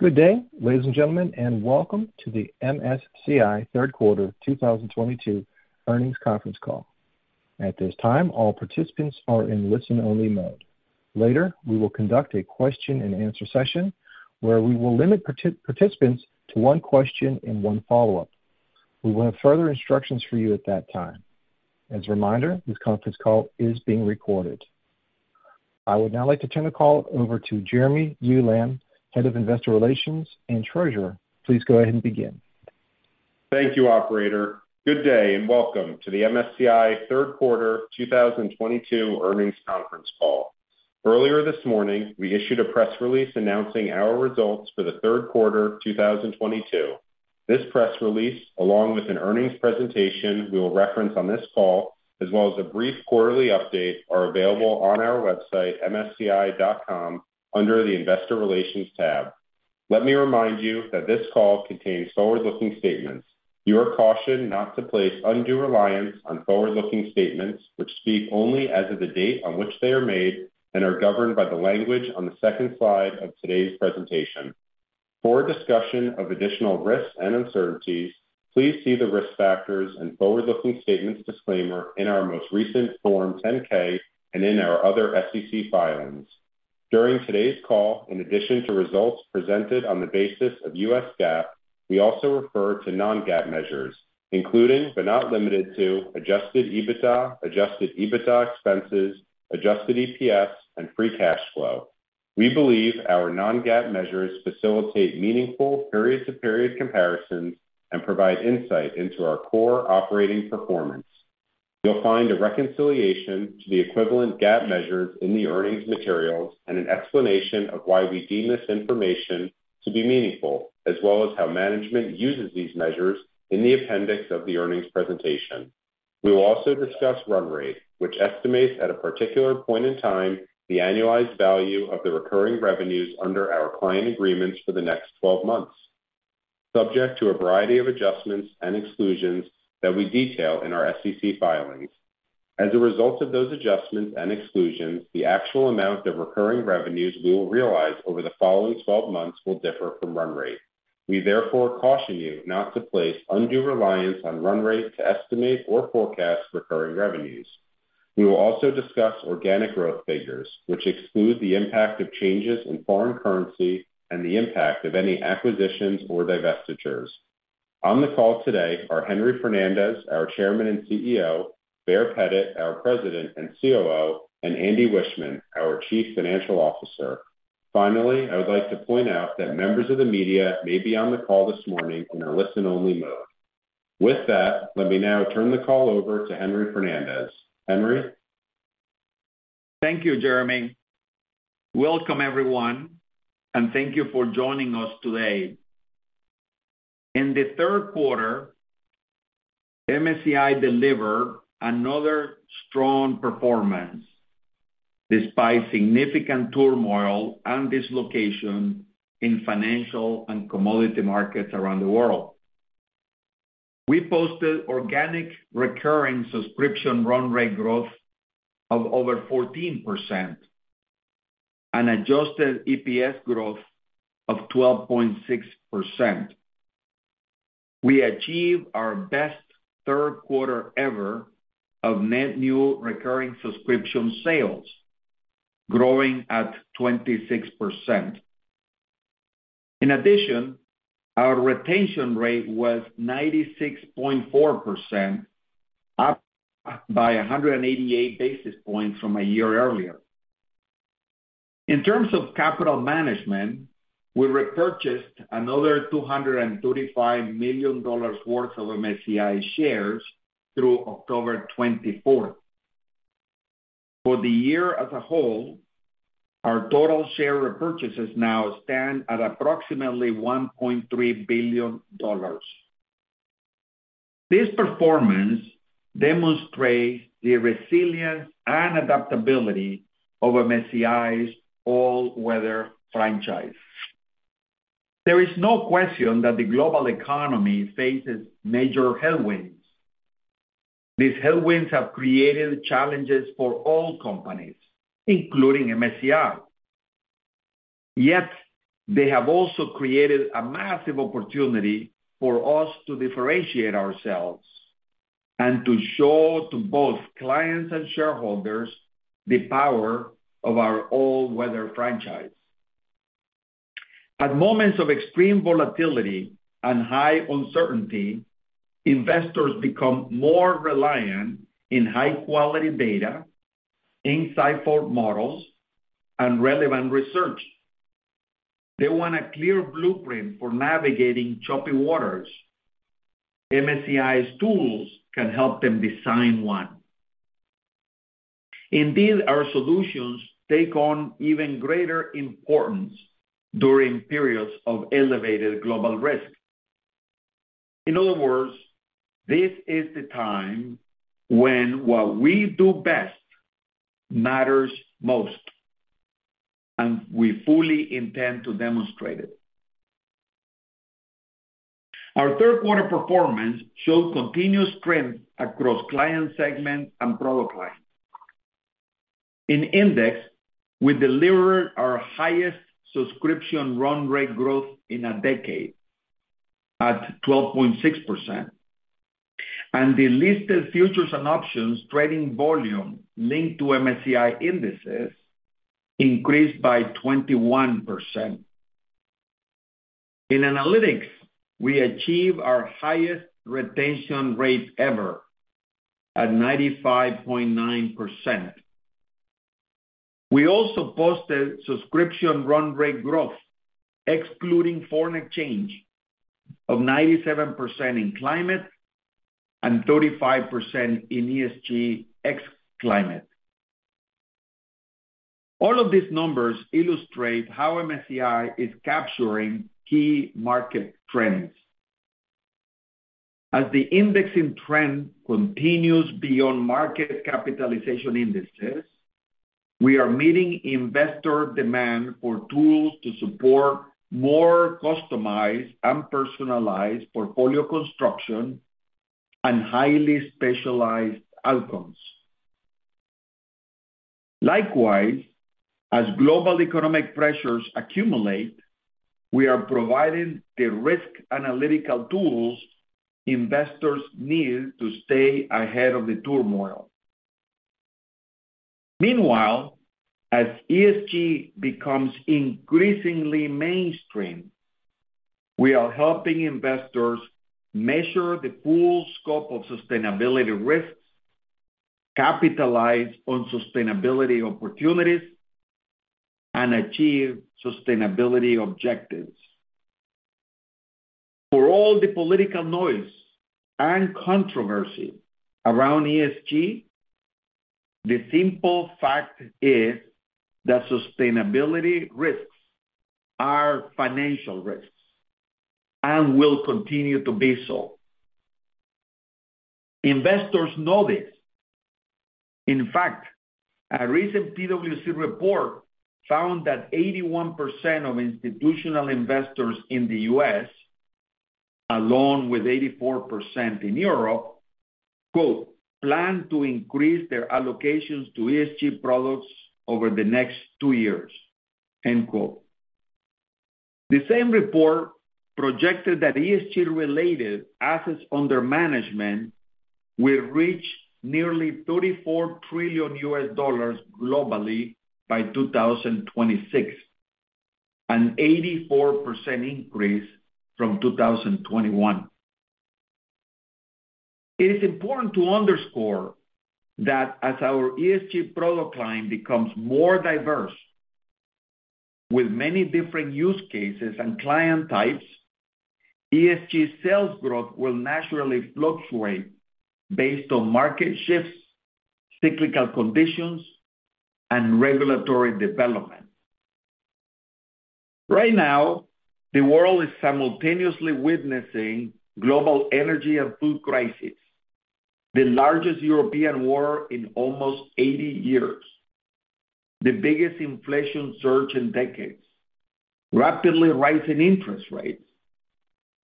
Good day, ladies and gentlemen, and welcome to the MSCI third quarter 2022 earnings conference call. At this time, all participants are in listen-only mode. Later, we will conduct a question and answer session where we will limit participants to one question and one follow-up. We will have further instructions for you at that time. As a reminder, this conference call is being recorded. I would now like to turn the call over to Jeremy Ulan, Head of Investor Relations and Treasurer. Please go ahead and begin. Thank you, operator. Good day, and welcome to the MSCI third quarter 2022 earnings conference call. Earlier this morning, we issued a press release announcing our results for the third quarter 2022. This press release, along with an earnings presentation we will reference on this call, as well as a brief quarterly update, are available on our website, msci.com, under the Investor Relations tab. Let me remind you that this call contains forward-looking statements. You are cautioned not to place undue reliance on forward-looking statements which speak only as of the date on which they are made and are governed by the language on the second slide of today's presentation. For a discussion of additional risks and uncertainties, please see the Risk Factors and Forward-Looking Statements Disclaimer in our most recent Form 10-K and in our other SEC filings. During today's call, in addition to results presented on the basis of U.S. GAAP, we also refer to non-GAAP measures, including, but not limited to Adjusted EBITDA, Adjusted EBITDA expenses, Adjusted EPS, and free cash flow. We believe our non-GAAP measures facilitate meaningful period-to-period comparisons and provide insight into our core operating performance. You'll find a reconciliation to the equivalent GAAP measures in the earnings materials and an explanation of why we deem this information to be meaningful, as well as how management uses these measures in the appendix of the earnings presentation. We will also discuss run rate, which estimates at a particular point in time the annualized value of the recurring revenues under our client agreements for the next twelve months, subject to a variety of adjustments and exclusions that we detail in our SEC filings. As a result of those adjustments and exclusions, the actual amount of recurring revenues we will realize over the following twelve months will differ from run rate. We therefore caution you not to place undue reliance on run rate to estimate or forecast recurring revenues. We will also discuss organic growth figures, which exclude the impact of changes in foreign currency and the impact of any acquisitions or divestitures. On the call today are Henry Fernandez, our Chairman and CEO, Baer Pettit, our President and COO, and Andy Wiechmann, our Chief Financial Officer. Finally, I would like to point out that members of the media may be on the call this morning in a listen-only mode. With that, let me now turn the call over to Henry Fernandez. Henry. Thank you, Jeremy. Welcome, everyone, and thank you for joining us today. In the third quarter, MSCI delivered another strong performance despite significant turmoil and dislocation in financial and commodity markets around the world. We posted organic recurring subscription run rate growth of over 14% and adjusted EPS growth of 12.6%. We achieved our best third quarter ever of net new recurring subscription sales, growing at 26%. In addition, our retention rate was 96.4%, up by 188 basis points from a year earlier. In terms of capital management, we repurchased another $235 million worth of MSCI shares through 24th October. For the year as a whole, our total share repurchases now stand at approximately $1.3 billion. This performance demonstrates the resilience and adaptability of MSCI's all-weather franchise. There is no question that the global economy faces major headwinds. These headwinds have created challenges for all companies, including MSCI. Yet, they have also created a massive opportunity for us to differentiate ourselves and to show to both clients and shareholders the power of our all-weather franchise. At moments of extreme volatility and high uncertainty, investors become more reliant in high-quality data, insightful models, and relevant research. They want a clear blueprint for navigating choppy waters. MSCI's tools can help them design one. Indeed, our solutions take on even greater importance during periods of elevated global risk. In other words, this is the time when what we do best matters most, and we fully intend to demonstrate it. Our third quarter performance showed continuous strength across client segments and product lines. In Index, we delivered our highest subscription run rate growth in a decade at 12.6%. The listed futures and options trading volume linked to MSCI indices increased by 21%. In Analytics, we achieved our highest retention rate ever at 95.9%. We also posted subscription run rate growth excluding foreign exchange of 97% in climate and 35% in ESG ex-climate. All of these numbers illustrate how MSCI is capturing key market trends. As the indexing trend continues beyond market capitalization indices, we are meeting investor demand for tools to support more customized and personalized portfolio construction and highly specialized outcomes. Likewise, as global economic pressures accumulate, we are providing the risk analytical tools investors need to stay ahead of the turmoil. Meanwhile, as ESG becomes increasingly mainstream, we are helping investors measure the full scope of sustainability risks, capitalize on sustainability opportunities, and achieve sustainability objectives. For all the political noise and controversy around ESG, the simple fact is that sustainability risks are financial risks and will continue to be so. Investors know this. In fact, a recent PwC report found that 81% of institutional investors in the U.S., along with 84% in Europe, quote, "plan to increase their allocations to ESG products over the next two years," end quote. The same report projected that ESG-related assets under management will reach nearly $34 trillion globally by 2026, an 84% increase from 2021. It is important to underscore that as our ESG product line becomes more diverse with many different use cases and client types, ESG sales growth will naturally fluctuate based on market shifts, cyclical conditions, and regulatory development. Right now, the world is simultaneously witnessing global energy and food crisis, the largest European war in almost 80 years, the biggest inflation surge in decades, rapidly rising interest rates,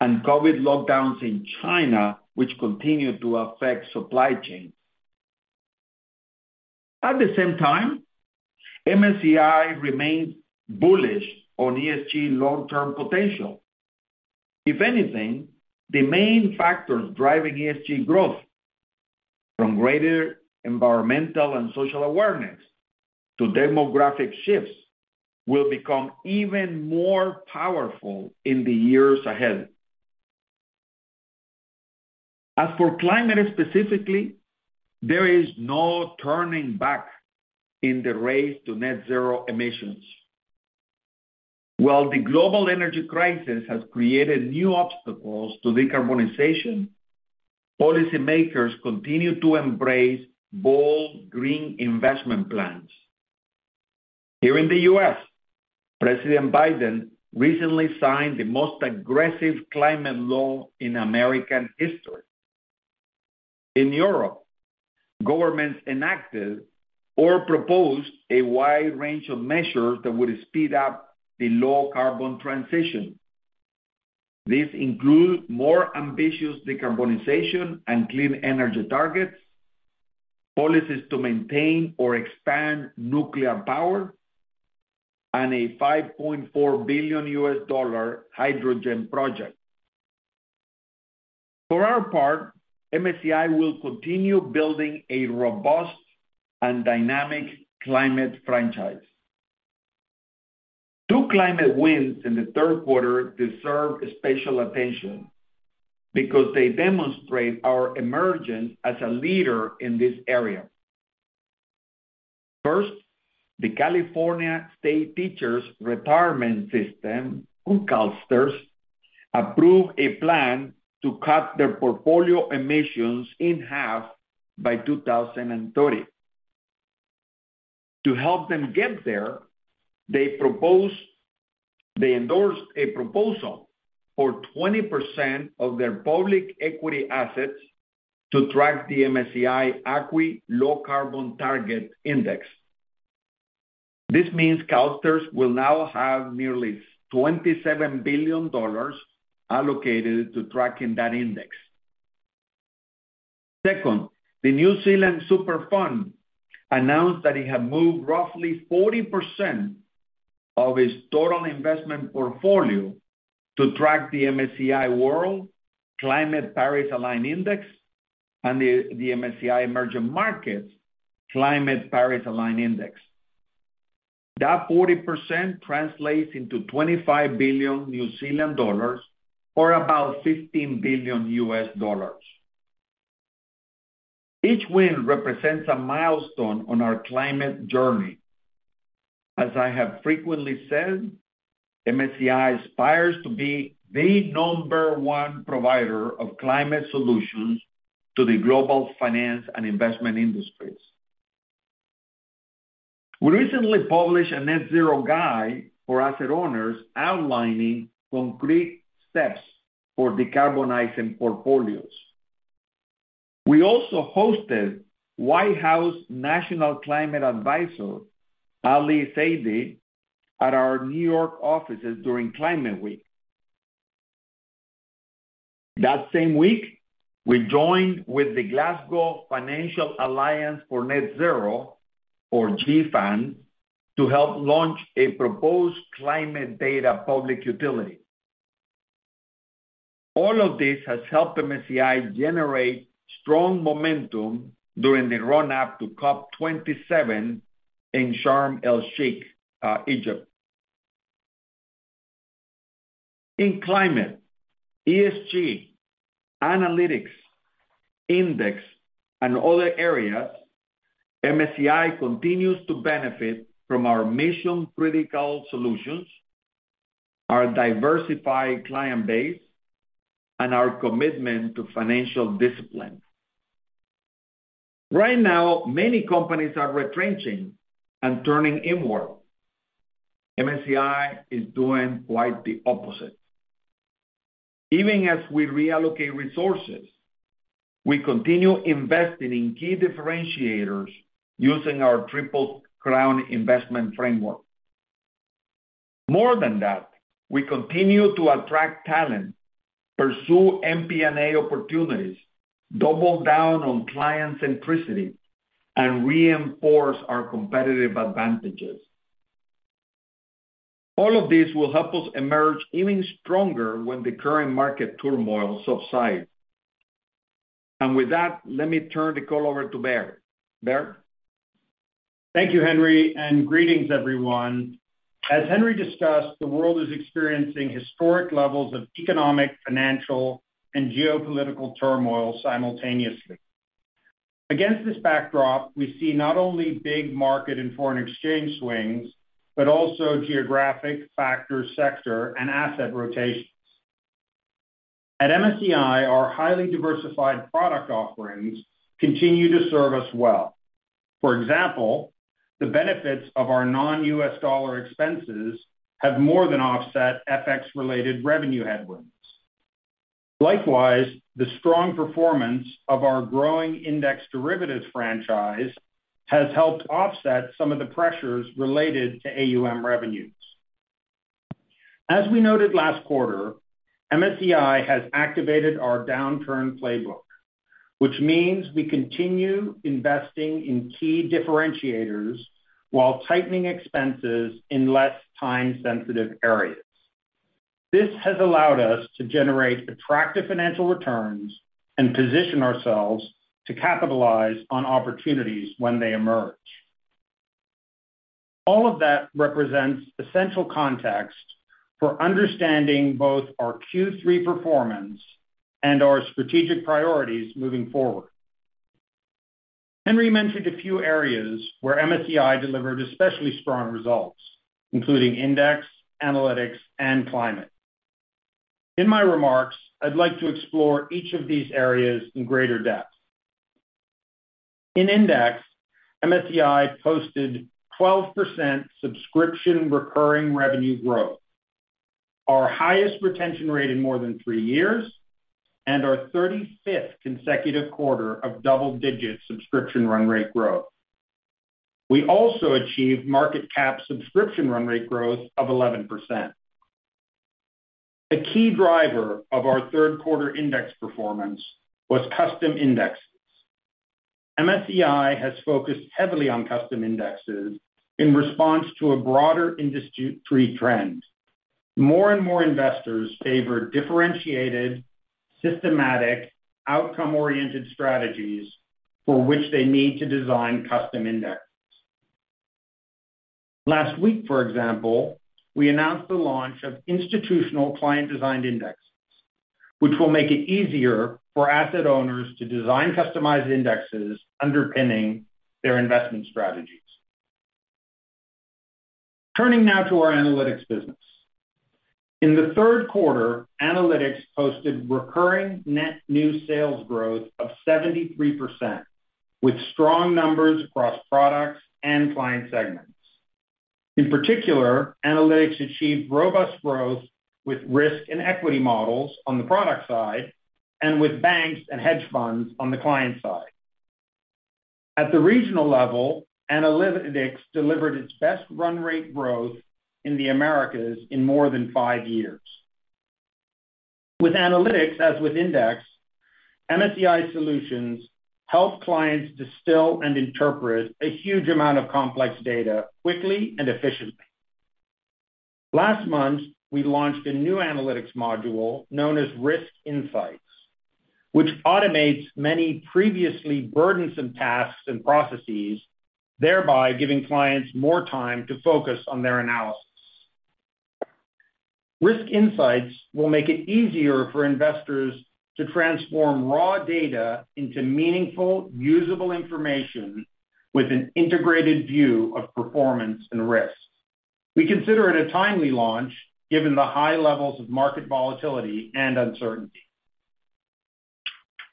and COVID lockdowns in China, which continue to affect supply chains. At the same time, MSCI remains bullish on ESG long-term potential. If anything, the main factors driving ESG growth from greater environmental and social awareness to demographic shifts will become even more powerful in the years ahead. As for climate specifically, there is no turning back in the race to net zero emissions. While the global energy crisis has created new obstacles to decarbonization, policy makers continue to embrace bold green investment plans. Here in the U.S., President Biden recently signed the most aggressive climate law in American history. In Europe, governments enacted or proposed a wide range of measures that would speed up the low carbon transition. This include more ambitious decarbonization and clean energy targets, policies to maintain or expand nuclear power, and a $5.4 billion hydrogen project. For our part, MSCI will continue building a robust and dynamic climate franchise. Two climate wins in the third quarter deserve special attention because they demonstrate our emergence as a leader in this area. First, the California State Teachers' Retirement System, CalSTRS, approved a plan to cut their portfolio emissions in half by 2030. To help them get there, they endorsed a proposal for 20% of their public equity assets to track the MSCI ACWI Low Carbon Target Index. This means CalSTRS will now have nearly $27 billion allocated to tracking that index. Second, the New Zealand Super Fund announced that it had moved roughly 40% of its total investment portfolio to track the MSCI World Climate Paris Aligned Index and the MSCI Emerging Markets Climate Paris Aligned Index. That 40% translates into 25 billion New Zealand dollars, or about $15 billion. Each win represents a milestone on our climate journey. As I have frequently said, MSCI aspires to be the number one provider of climate solutions to the global finance and investment industries. We recently published a net zero guide for asset owners outlining concrete steps for decarbonizing portfolios. We also hosted White House National Climate Advisor Ali Zaidi at our New York offices during Climate Week. That same week, we joined with the Glasgow Financial Alliance for Net Zero, or GFANZ, to help launch a proposed climate data public utility. All of this has helped MSCI generate strong momentum during the run-up to COP27 in Sharm El-Sheikh, Egypt. In climate, ESG, analytics, index, and other areas, MSCI continues to benefit from our mission-critical solutions, our diversified client base, and our commitment to financial discipline. Right now, many companies are retrenching and turning inward. MSCI is doing quite the opposite. Even as we reallocate resources, we continue investing in key differentiators using our Triple-Crown investment framework. More than that, we continue to attract talent, pursue M&A opportunities, double down on client centricity, and reinforce our competitive advantages. All of this will help us emerge even stronger when the current market turmoil subsides. With that, let me turn the call over to Baer. Baer? Thank you, Henry, and greetings everyone. As Henry discussed, the world is experiencing historic levels of economic, financial, and geopolitical turmoil simultaneously. Against this backdrop, we see not only big market and foreign exchange swings, but also geographic factor, sector, and asset rotations. At MSCI, our highly diversified product offerings continue to serve us well. For example, the benefits of our non-U.S. dollar expenses have more than offset FX related revenue headwinds. Likewise, the strong performance of our growing index derivatives franchise has helped offset some of the pressures related to AUM revenues. As we noted last quarter, MSCI has activated our downturn playbook, which means we continue investing in key differentiators while tightening expenses in less time-sensitive areas. This has allowed us to generate attractive financial returns and position ourselves to capitalize on opportunities when they emerge. All of that represents essential context for understanding both our Q3 performance and our strategic priorities moving forward. Henry mentioned a few areas where MSCI delivered especially strong results, including index, analytics, and climate. In my remarks, I'd like to explore each of these areas in greater depth. In index, MSCI posted 12% subscription recurring revenue growth, our highest retention rate in more than three years, and our 35th consecutive quarter of double-digit subscription run rate growth. We also achieved market cap subscription run rate growth of 11%. The key driver of our third quarter index performance was custom indexes. MSCI has focused heavily on custom indexes in response to a broader industry trend. More and more investors favor differentiated, systematic, outcome-oriented strategies for which they need to design custom indexes. Last week, for example, we announced the launch of Institutional Client-Designed Indexes, which will make it easier for asset owners to design customized indexes underpinning their investment strategies. Turning now to our analytics business. In the third quarter, analytics posted recurring net new sales growth of 73%, with strong numbers across products and client segments. In particular, analytics achieved robust growth with risk and equity models on the product side and with banks and hedge funds on the client side. At the regional level, analytics delivered its best run rate growth in the Americas in more than five years. With analytics, as with Index, MSCI Solutions help clients distill and interpret a huge amount of complex data quickly and efficiently. Last month, we launched a new analytics module known as Risk Insights, which automates many previously burdensome tasks and processes, thereby giving clients more time to focus on their analysis. Risk Insights will make it easier for investors to transform raw data into meaningful, usable information with an integrated view of performance and risk. We consider it a timely launch given the high levels of market volatility and uncertainty.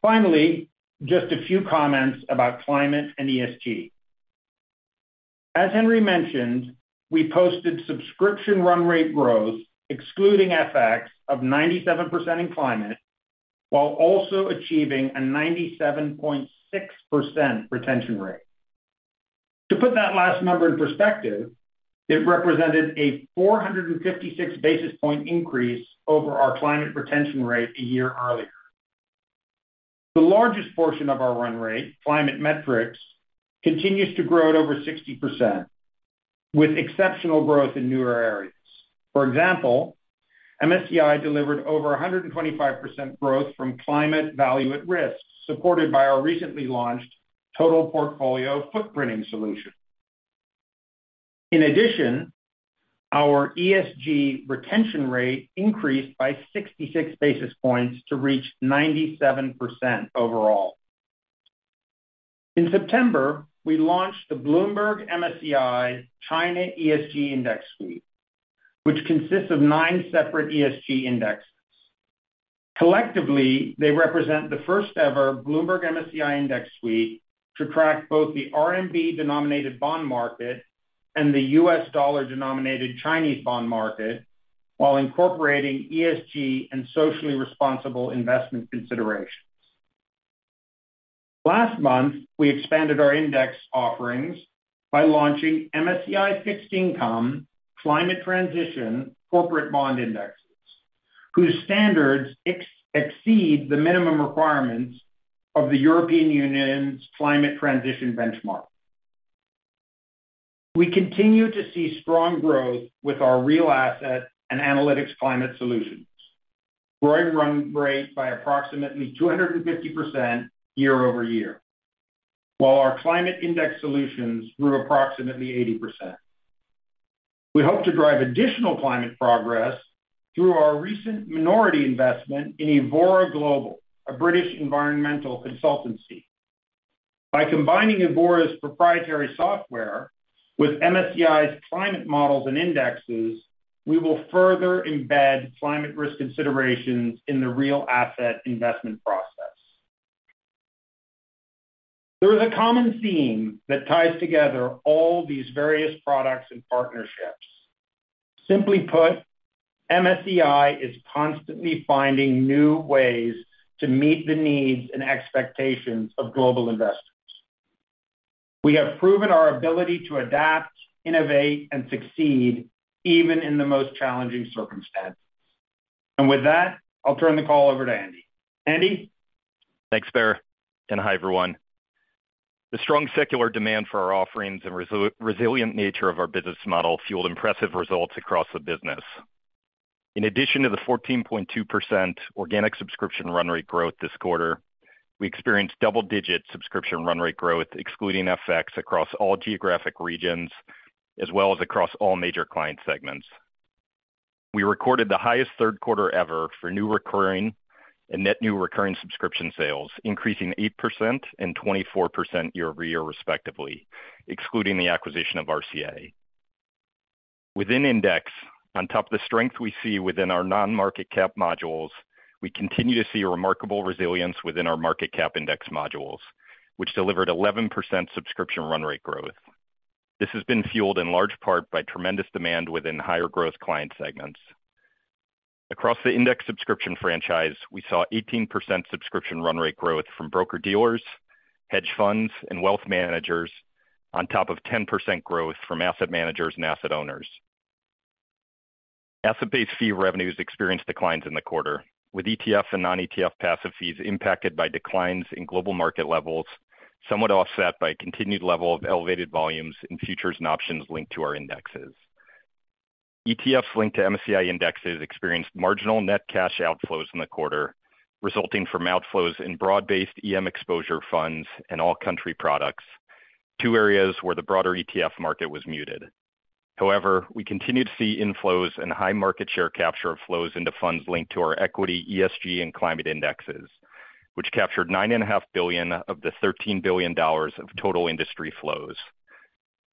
Finally, just a few comments about climate and ESG. As Henry mentioned, we posted subscription run rate growth excluding FX of 97% in climate, while also achieving a 97.6% retention rate. To put that last number in perspective, it represented a 456 basis point increase over our climate retention rate a year earlier. The largest portion of our run rate, Climate Metrics, continues to grow at over 60%, with exceptional growth in newer areas. For example, MSCI delivered over 125% growth from Climate Value-at-Risk, supported by our recently launched Total Portfolio Footprinting solution. In addition, our ESG retention rate increased by 66 basis points to reach 97% overall. In September, we launched the Bloomberg MSCI China ESG Index Suite, which consists of nine separate ESG indexes. Collectively, they represent the first-ever Bloomberg MSCI Index Suite to track both the RMB-denominated bond market and the U.S. dollar-denominated Chinese bond market while incorporating ESG and socially responsible investment considerations. Last month, we expanded our index offerings by launching MSCI Fixed Income Climate Transition Corporate Bond Indexes, whose standards exceed the minimum requirements of the European Union's Climate Transition Benchmark. We continue to see strong growth with our real asset and analytics climate solutions, growing run rate by approximately 250% year-over-year, while our climate index solutions grew approximately 80%. We hope to drive additional climate progress through our recent minority investment in Evora Global, a British environmental consultancy. By combining Evora's proprietary software with MSCI's climate models and indexes, we will further embed climate risk considerations in the real asset investment process. There is a common theme that ties together all these various products and partnerships. Simply put, MSCI is constantly finding new ways to meet the needs and expectations of global investors. We have proven our ability to adapt, innovate, and succeed even in the most challenging circumstances. With that, I'll turn the call over to Andy. Andy? Thanks, Baer, and hi, everyone. The strong secular demand for our offerings and resilient nature of our business model fueled impressive results across the business. In addition to the 14.2% organic subscription run rate growth this quarter, we experienced double-digit subscription run rate growth excluding FX across all geographic regions, as well as across all major client segments. We recorded the highest third quarter ever for new recurring and net new recurring subscription sales, increasing 8% and 24% year-over-year, respectively, excluding the acquisition of RCA. Within Index, on top of the strength we see within our non-market cap modules, we continue to see remarkable resilience within our market cap index modules, which delivered 11% subscription run rate growth. This has been fueled in large part by tremendous demand within higher growth client segments. Across the Index subscription franchise, we saw 18% subscription run rate growth from broker-dealers, hedge funds, and wealth managers on top of 10% growth from asset managers and asset owners. Asset-based fee revenues experienced declines in the quarter, with ETF and non-ETF passive fees impacted by declines in global market levels, somewhat offset by continued level of elevated volumes in futures and options linked to our indexes. ETFs linked to MSCI indexes experienced marginal net cash outflows in the quarter, resulting from outflows in broad-based EM exposure funds and all country products, two areas where the broader ETF market was muted. However, we continue to see inflows and high market share capture of flows into funds linked to our equity, ESG, and climate indexes, which captured $9.5 billion of the $13 billion of total industry flows.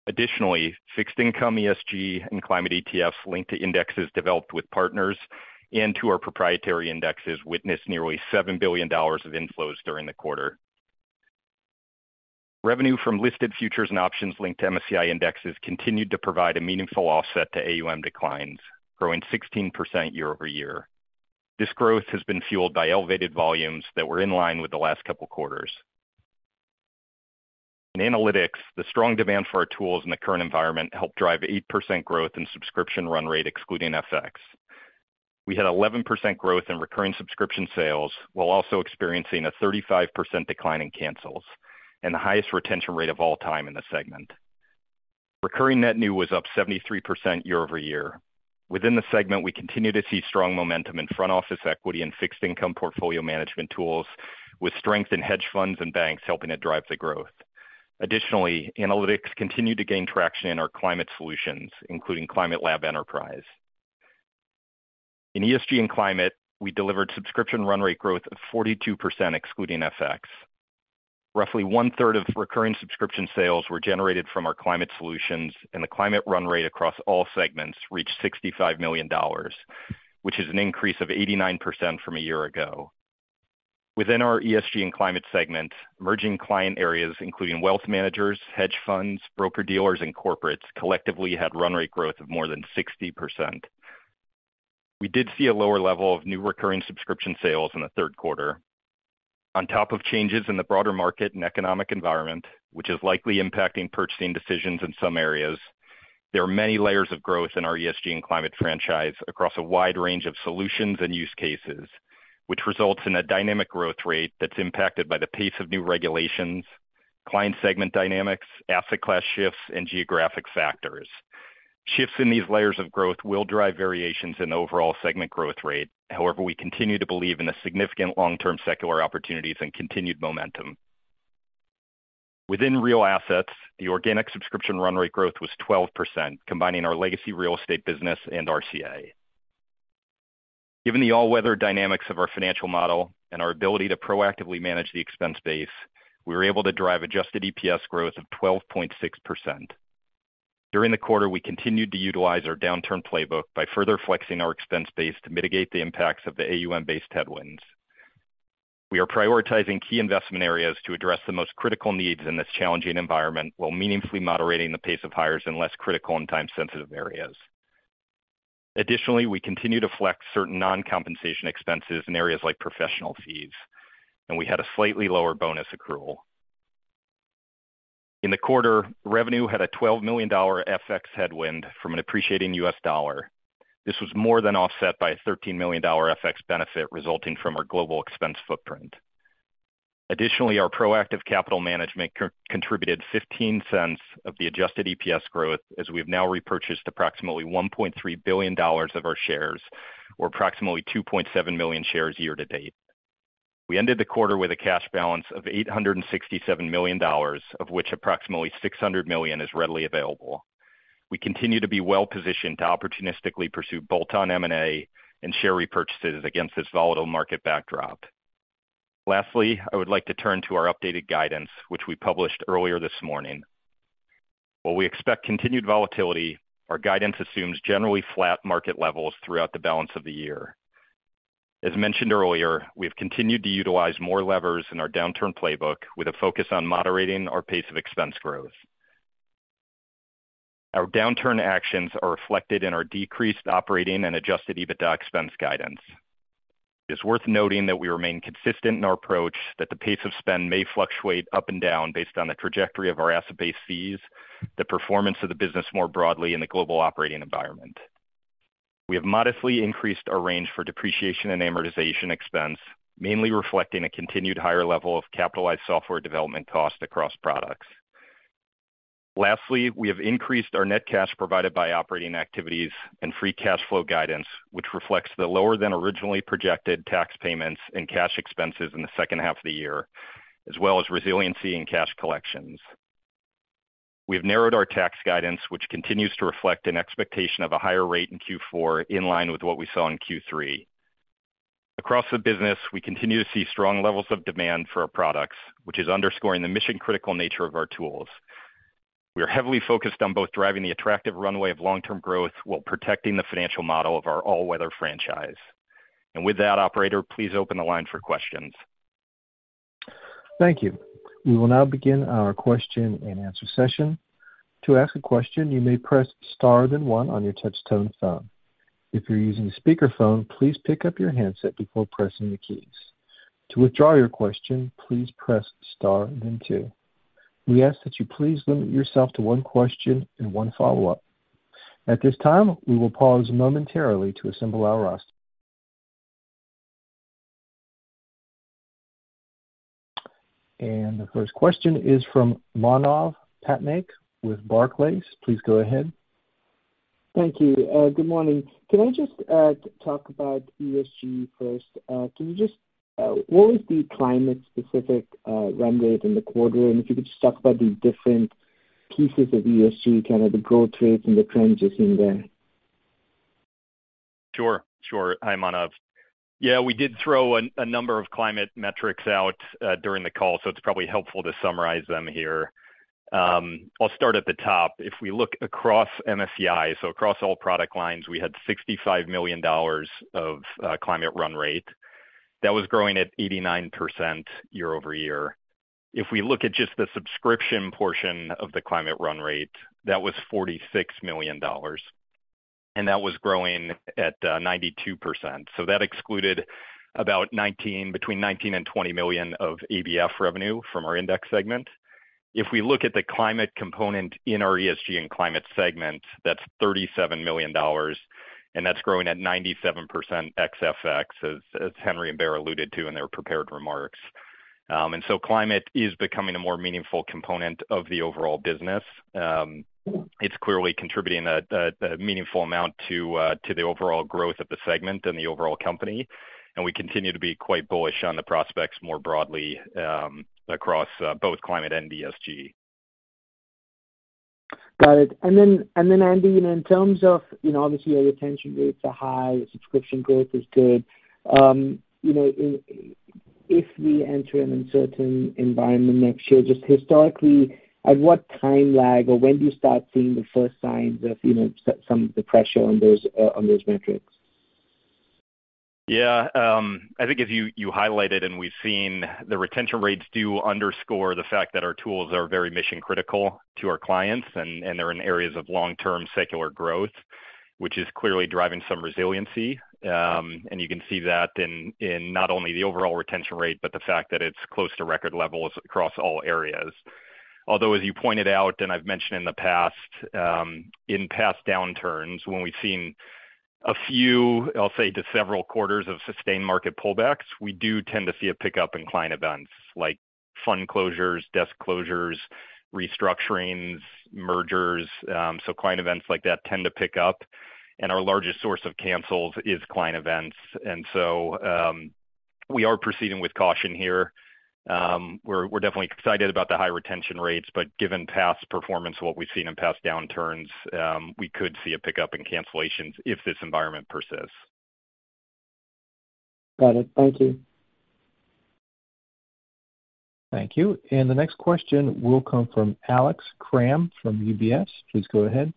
Additionally, fixed income ESG and climate ETFs linked to indexes developed with partners and to our proprietary indexes witnessed nearly $7 billion of inflows during the quarter. Revenue from listed futures and options linked to MSCI indexes continued to provide a meaningful offset to AUM declines, growing 16% year-over-year. This growth has been fueled by elevated volumes that were in line with the last couple quarters. In analytics, the strong demand for our tools in the current environment helped drive 8% growth in subscription run rate excluding FX. We had 11% growth in recurring subscription sales, while also experiencing a 35% decline in cancels and the highest retention rate of all time in the segment. Recurring net new was up 73% year-over-year. Within the segment, we continue to see strong momentum in front office equity and fixed income portfolio management tools, with strength in hedge funds and banks helping to drive the growth. Additionally, analytics continued to gain traction in our climate solutions, including Climate Lab Enterprise. In ESG and climate, we delivered subscription run rate growth of 42% excluding FX. Roughly 1/3 of recurring subscription sales were generated from our climate solutions, and the climate run rate across all segments reached $65 million, which is an increase of 89% from a year ago. Within our ESG and climate segment, emerging client areas including wealth managers, hedge funds, broker-dealers, and corporates collectively had run rate growth of more than 60%. We did see a lower level of new recurring subscription sales in the third quarter. On top of changes in the broader market and economic environment, which is likely impacting purchasing decisions in some areas, there are many layers of growth in our ESG and climate franchise across a wide range of solutions and use cases, which results in a dynamic growth rate that's impacted by the pace of new regulations, client segment dynamics, asset class shifts, and geographic factors. Shifts in these layers of growth will drive variations in the overall segment growth rate. However, we continue to believe in the significant long-term secular opportunities and continued momentum. Within real assets, the organic subscription run rate growth was 12%, combining our legacy real estate business and RCA. Given the all-weather dynamics of our financial model and our ability to proactively manage the expense base, we were able to drive Adjusted EPS growth of 12.6%. During the quarter, we continued to utilize our downturn playbook by further flexing our expense base to mitigate the impacts of the AUM-based headwinds. We are prioritizing key investment areas to address the most critical needs in this challenging environment, while meaningfully moderating the pace of hires in less critical and time-sensitive areas. Additionally, we continue to flex certain non-compensation expenses in areas like professional fees, and we had a slightly lower bonus accrual. In the quarter, revenue had a $12 million FX headwind from an appreciating U.S. dollar. This was more than offset by a $13 million FX benefit resulting from our global expense footprint. Additionally, our proactive capital management contributed $0.15 of the adjusted EPS growth, as we have now repurchased approximately $1.3 billion of our shares, or approximately $2.7 million shares year-to-date. We ended the quarter with a cash balance of $867 million, of which approximately $600 million is readily available. We continue to be well-positioned to opportunistically pursue bolt-on M&A and share repurchases against this volatile market backdrop. Lastly, I would like to turn to our updated guidance, which we published earlier this morning. While we expect continued volatility, our guidance assumes generally flat market levels throughout the balance of the year. As mentioned earlier, we have continued to utilize more levers in our downturn playbook with a focus on moderating our pace of expense growth. Our downturn actions are reflected in our decreased operating and Adjusted EBITDA expense guidance. It's worth noting that we remain consistent in our approach that the pace of spend may fluctuate up and down based on the trajectory of our asset-based fees, the performance of the business more broadly, and the global operating environment. We have modestly increased our range for depreciation and amortization expense, mainly reflecting a continued higher level of capitalized software development cost across products. Lastly, we have increased our net cash provided by operating activities and free cash flow guidance, which reflects the lower than originally projected tax payments and cash expenses in the second half of the year, as well as resiliency in cash collections. We have narrowed our tax guidance, which continues to reflect an expectation of a higher rate in Q4, in line with what we saw in Q3. Across the business, we continue to see strong levels of demand for our products, which is underscoring the mission-critical nature of our tools. We are heavily focused on both driving the attractive runway of long-term growth while protecting the financial model of our all-weather franchise. With that, operator, please open the line for questions. Thank you. We will now begin our question-and-answer session. To ask a question, you may press star then one on your touch-tone phone. If you're using a speakerphone, please pick up your handset before pressing the keys. To withdraw your question, please press star then two. We ask that you please limit yourself to one question and one follow-up. At this time, we will pause momentarily to assemble our roster. The first question is from Manav Patnaik with Barclays. Please go ahead. Thank you. Good morning. Can I just talk about ESG first? Can you just what was the climate specific run rate in the quarter? If you could just talk about the different pieces of ESG, kind of the growth rates and the trends you're seeing there. Sure. Hi, Manav. Yeah, we did throw a number of climate metrics out during the call, so it's probably helpful to summarize them here. I'll start at the top. If we look across MSCI, so across all product lines, we had $65 million of climate run rate. That was growing at 89% year-over-year. If we look at just the subscription portion of the climate run rate, that was $46 million, and that was growing at 92%. That excluded between $19-20 million of ABF revenue from our index segment. If we look at the climate component in our ESG and climate segment, that's $37 million, and that's growing at 97% ex FX, as Henry and Baer alluded to in their prepared remarks. Climate is becoming a more meaningful component of the overall business. It's clearly contributing a meaningful amount to the overall growth of the segment and the overall company, and we continue to be quite bullish on the prospects more broadly, across both climate and ESG. Got it. Andy, you know, in terms of, you know, obviously your retention rates are high, your subscription growth is good. You know, if we enter an uncertain environment next year, just historically at what time lag or when do you start seeing the first signs of, you know, some of the pressure on those metrics? Yeah. I think as you highlighted and we've seen the retention rates do underscore the fact that our tools are very mission critical to our clients, and they're in areas of long-term secular growth, which is clearly driving some resiliency. You can see that in not only the overall retention rate, but the fact that it's close to record levels across all areas. Although as you pointed out, and I've mentioned in the past, in past downturns, when we've seen a few, I'll say to several quarters of sustained market pullbacks, we do tend to see a pickup in client events like fund closures, desk closures, restructurings, mergers. Client events like that tend to pick up, and our largest source of cancels is client events. We are proceeding with caution here. We're definitely excited about the high retention rates, but given past performance, what we've seen in past downturns, we could see a pickup in cancellations if this environment persists. Got it. Thank you. Thank you. The next question will come from Alex Kramm from UBS. Please go ahead.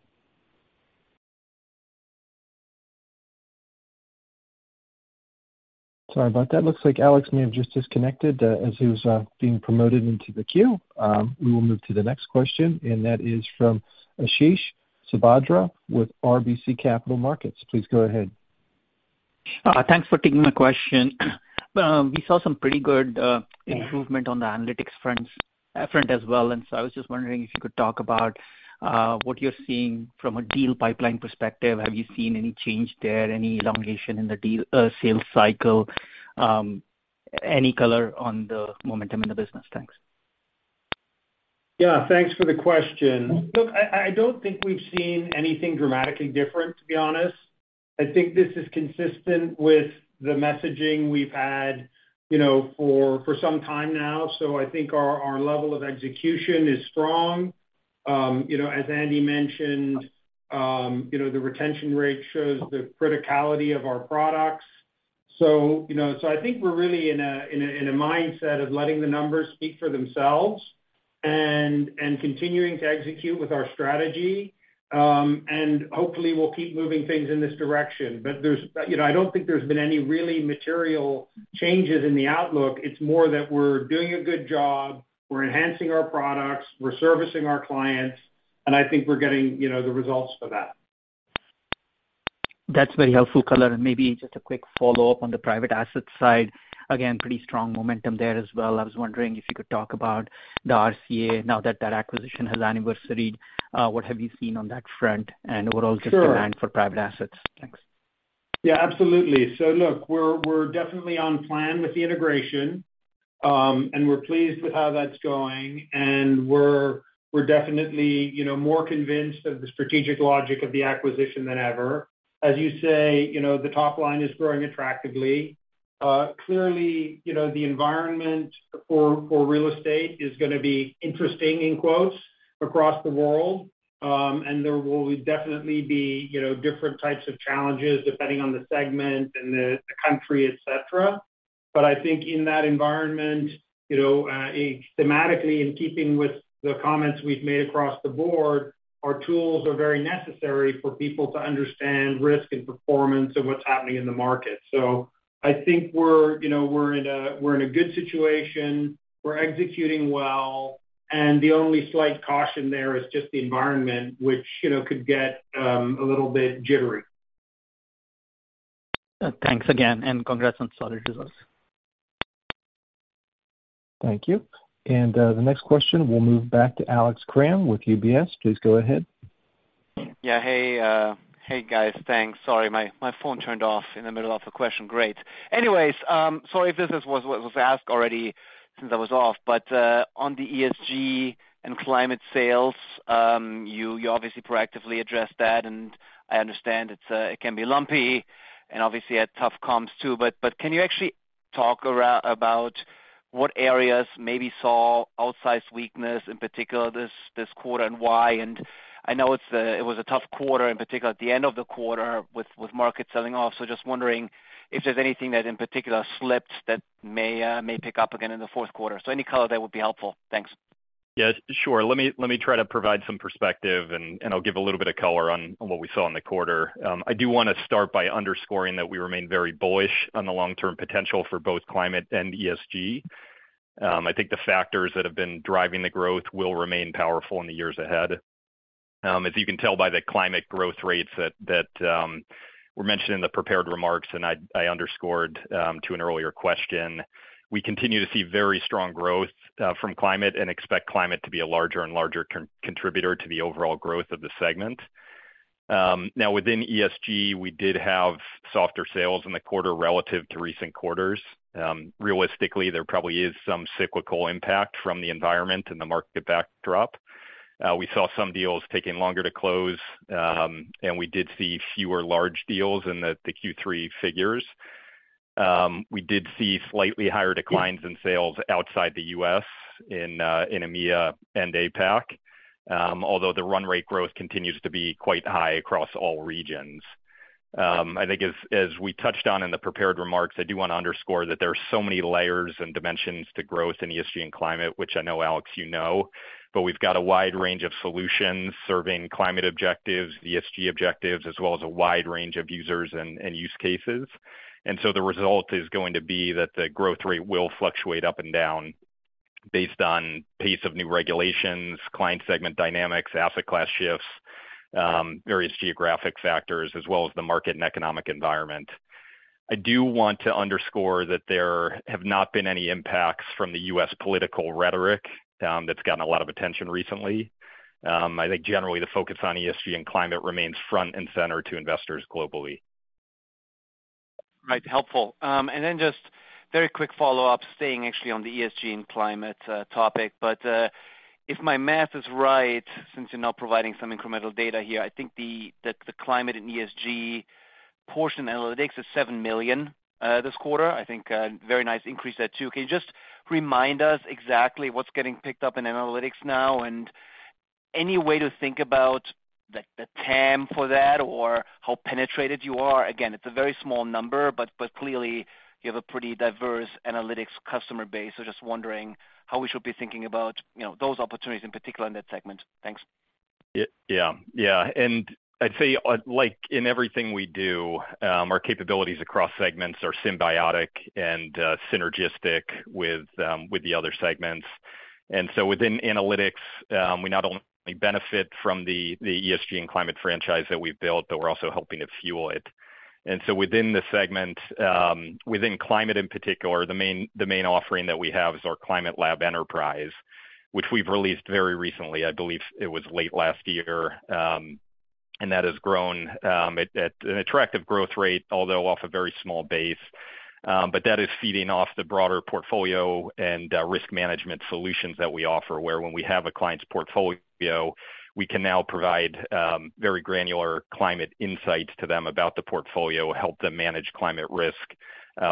Sorry about that. Looks like Alex may have just disconnected as he was being promoted into the queue. We will move to the next question, and that is from Ashish Sabadra with RBC Capital Markets. Please go ahead. Thanks for taking my question. We saw some pretty good improvement on the analytics front as well. I was just wondering if you could talk about what you're seeing from a deal pipeline perspective. Have you seen any change there? Any elongation in the deal sales cycle? Any color on the momentum in the business? Thanks. Yeah, thanks for the question. Look, I don't think we've seen anything dramatically different, to be honest. I think this is consistent with the messaging we've had, you know, for some time now. I think our level of execution is strong. You know, as Andy mentioned, you know, the retention rate shows the criticality of our products. You know, I think we're really in a mindset of letting the numbers speak for themselves and continuing to execute with our strategy. Hopefully we'll keep moving things in this direction. You know, I don't think there's been any really material changes in the outlook. It's more that we're doing a good job, we're enhancing our products, we're servicing our clients, and I think we're getting, you know, the results for that. That's very helpful color. Maybe just a quick follow-up on the private assets side. Again, pretty strong momentum there as well. I was wondering if you could talk about the RCA now that that acquisition has anniversaries. What have you seen on that front and overall? Sure. Just demand for private assets? Thanks. Yeah, absolutely. Look, we're definitely on plan with the integration, and we're pleased with how that's going. We're definitely, you know, more convinced of the strategic logic of the acquisition than ever. As you say, you know, the top line is growing attractively. Clearly, you know, the environment for real estate is gonna be interesting, in quotes, across the world. There will definitely be, you know, different types of challenges depending on the segment and the country, etc. But I think in that environment, you know, thematically, in keeping with the comments we've made across the board, our tools are very necessary for people to understand risk and performance and what's happening in the market. I think we're, you know, in a good situation. We're executing well, and the only slight caution there is just the environment which, you know, could get a little bit jittery. Thanks again, and congrats on solid results. Thank you. The next question will move back to Alex Kramm with UBS. Please go ahead. Yeah. Hey. Hey, guys. Thanks. Sorry, my phone turned off in the middle of a question. Great. Anyways, sorry if this was asked already since I was off, but on the ESG and climate sales, you obviously proactively addressed that, and I understand it can be lumpy and obviously had tough comps too, but can you actually talk about what areas maybe saw outsized weakness, in particular this quarter and why? I know it was a tough quarter, in particular at the end of the quarter with markets selling off. Just wondering if there's anything that in particular slipped that may pick up again in the fourth quarter. Any color there would be helpful. Thanks. Yes, sure. Let me try to provide some perspective and I'll give a little bit of color on what we saw in the quarter. I do want to start by underscoring that we remain very bullish on the long-term potential for both climate and ESG. I think the factors that have been driving the growth will remain powerful in the years ahead. As you can tell by the climate growth rates that were mentioned in the prepared remarks, and I underscored to an earlier question, we continue to see very strong growth from climate and expect climate to be a larger and larger contributor to the overall growth of the segment. Now within ESG, we did have softer sales in the quarter relative to recent quarters. Realistically, there probably is some cyclical impact from the environment and the market backdrop. We saw some deals taking longer to close, and we did see fewer large deals in the Q3 figures. We did see slightly higher declines in sales outside the U.S. in EMEA and APAC, although the run rate growth continues to be quite high across all regions. I think as we touched on in the prepared remarks, I do wanna underscore that there are so many layers and dimensions to growth in ESG and climate, which I know, Alex, you know. We've got a wide range of solutions serving climate objectives, ESG objectives, as well as a wide range of users and use cases. The result is going to be that the growth rate will fluctuate up and down based on pace of new regulations, client segment dynamics, asset class shifts, various geographic factors, as well as the market and economic environment. I do want to underscore that there have not been any impacts from the U.S. political rhetoric, that's gotten a lot of attention recently. I think generally the focus on ESG and climate remains front and center to investors globally. Right. Helpful. Just very quick follow-up, staying actually on the ESG and climate topic, but if my math is right, since you're now providing some incremental data here, I think that the climate and ESG portion analytics is $7 million this quarter. I think very nice increase there too. Can you just remind us exactly what's getting picked up in analytics now? Any way to think about the TAM for that or how penetrated you are? Again, it's a very small number, but clearly you have a pretty diverse analytics customer base. Just wondering how we should be thinking about, you know, those opportunities in particular in that segment. Thanks. I'd say, like in everything we do, our capabilities across segments are symbiotic and synergistic with the other segments. Within analytics, we not only benefit from the ESG and climate franchise that we've built, but we're also helping to fuel it. Within the segment, within climate in particular, the main offering that we have is our Climate Lab Enterprise, which we've released very recently. I believe it was late last year. That has grown at an attractive growth rate, although off a very small base. That is feeding off the broader portfolio and risk management solutions that we offer, where when we have a client's portfolio, we can now provide very granular climate insights to them about the portfolio, help them manage climate risk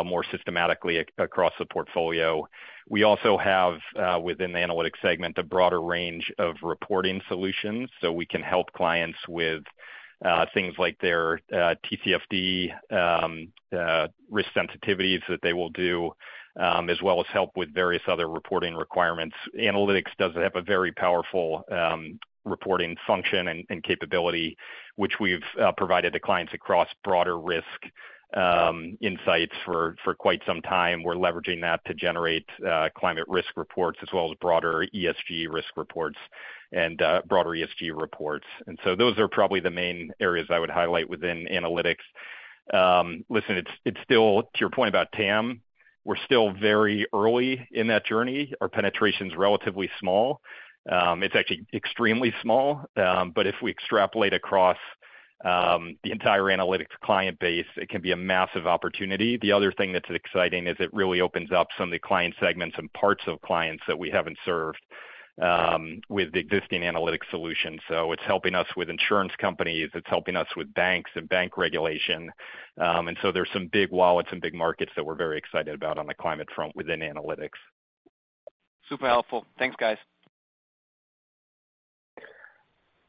more systematically across the portfolio. We also have within the analytics segment a broader range of reporting solutions, so we can help clients with things like their TCFD risk sensitivities that they will do as well as help with various other reporting requirements. Analytics does have a very powerful reporting function and capability, which we've provided to clients across broader risk insights for quite some time. We're leveraging that to generate climate risk reports as well as broader ESG risk reports and broader ESG reports. Those are probably the main areas I would highlight within analytics. Listen, it's still to your point about TAM, we're still very early in that journey. Our penetration's relatively small. It's actually extremely small. If we extrapolate across the entire analytics client base, it can be a massive opportunity. The other thing that's exciting is it really opens up some of the client segments and parts of clients that we haven't served with the existing analytics solution. It's helping us with insurance companies. It's helping us with banks and bank regulation. There's some big wallets and big markets that we're very excited about on the climate front within analytics. Super helpful. Thanks, guys.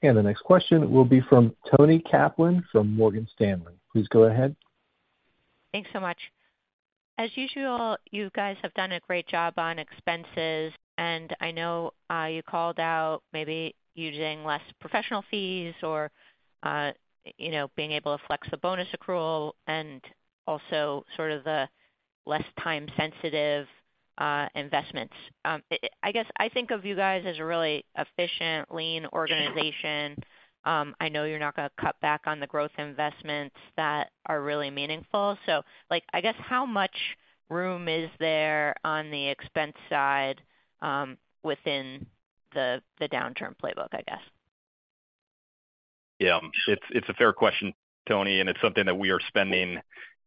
The next question will be from Toni Kaplan from Morgan Stanley. Please go ahead. Thanks so much. As usual, you guys have done a great job on expenses, and I know you called out maybe using less professional fees or, you know, being able to flex the bonus accrual and also sort of the less time-sensitive investments. I guess I think of you guys as a really efficient, lean organization. I know you're not gonna cut back on the growth investments that are really meaningful. Like, I guess how much room is there on the expense side within the downturn playbook, I guess? Yeah. It's a fair question, Toni, and it's something that we are spending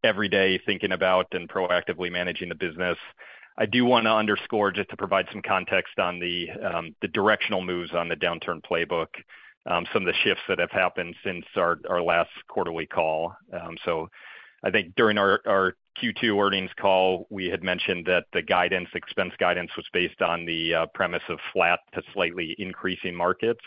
every day thinking about and proactively managing the business. I do wanna underscore, just to provide some context on the directional moves on the downturn playbook, some of the shifts that have happened since our last quarterly call. I think during our Q2 earnings call, we had mentioned that the guidance, expense guidance was based on the premise of flat to slightly increasing markets.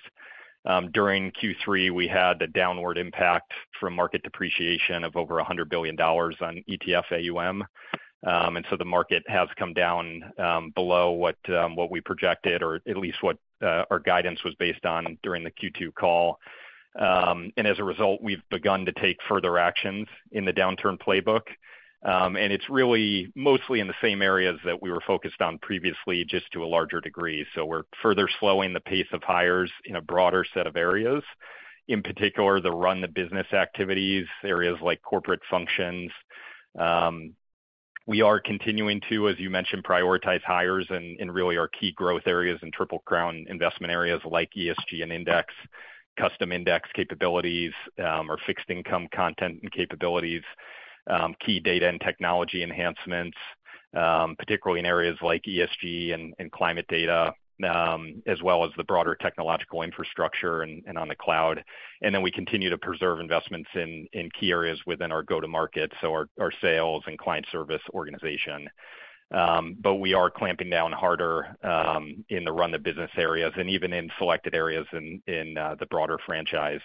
During Q3, we had the downward impact from market depreciation of over $100 billion on ETF AUM. The market has come down below what we projected or at least what our guidance was based on during the Q2 call. As a result, we've begun to take further actions in the downturn playbook. It's really mostly in the same areas that we were focused on previously, just to a larger degree. We're further slowing the pace of hires in a broader set of areas, in particular run-the-business activities, areas like corporate functions. We are continuing to, as you mentioned, prioritize hires in really our key growth areas and Triple-Crown investment areas like ESG and index, custom index capabilities, or fixed income content and capabilities, key data and technology enhancements, particularly in areas like ESG and climate data, as well as the broader technological infrastructure and on the cloud. We continue to preserve investments in key areas within our go-to-market, so our sales and client service organization. We are clamping down harder in running the business areas and even in selected areas in the broader franchise.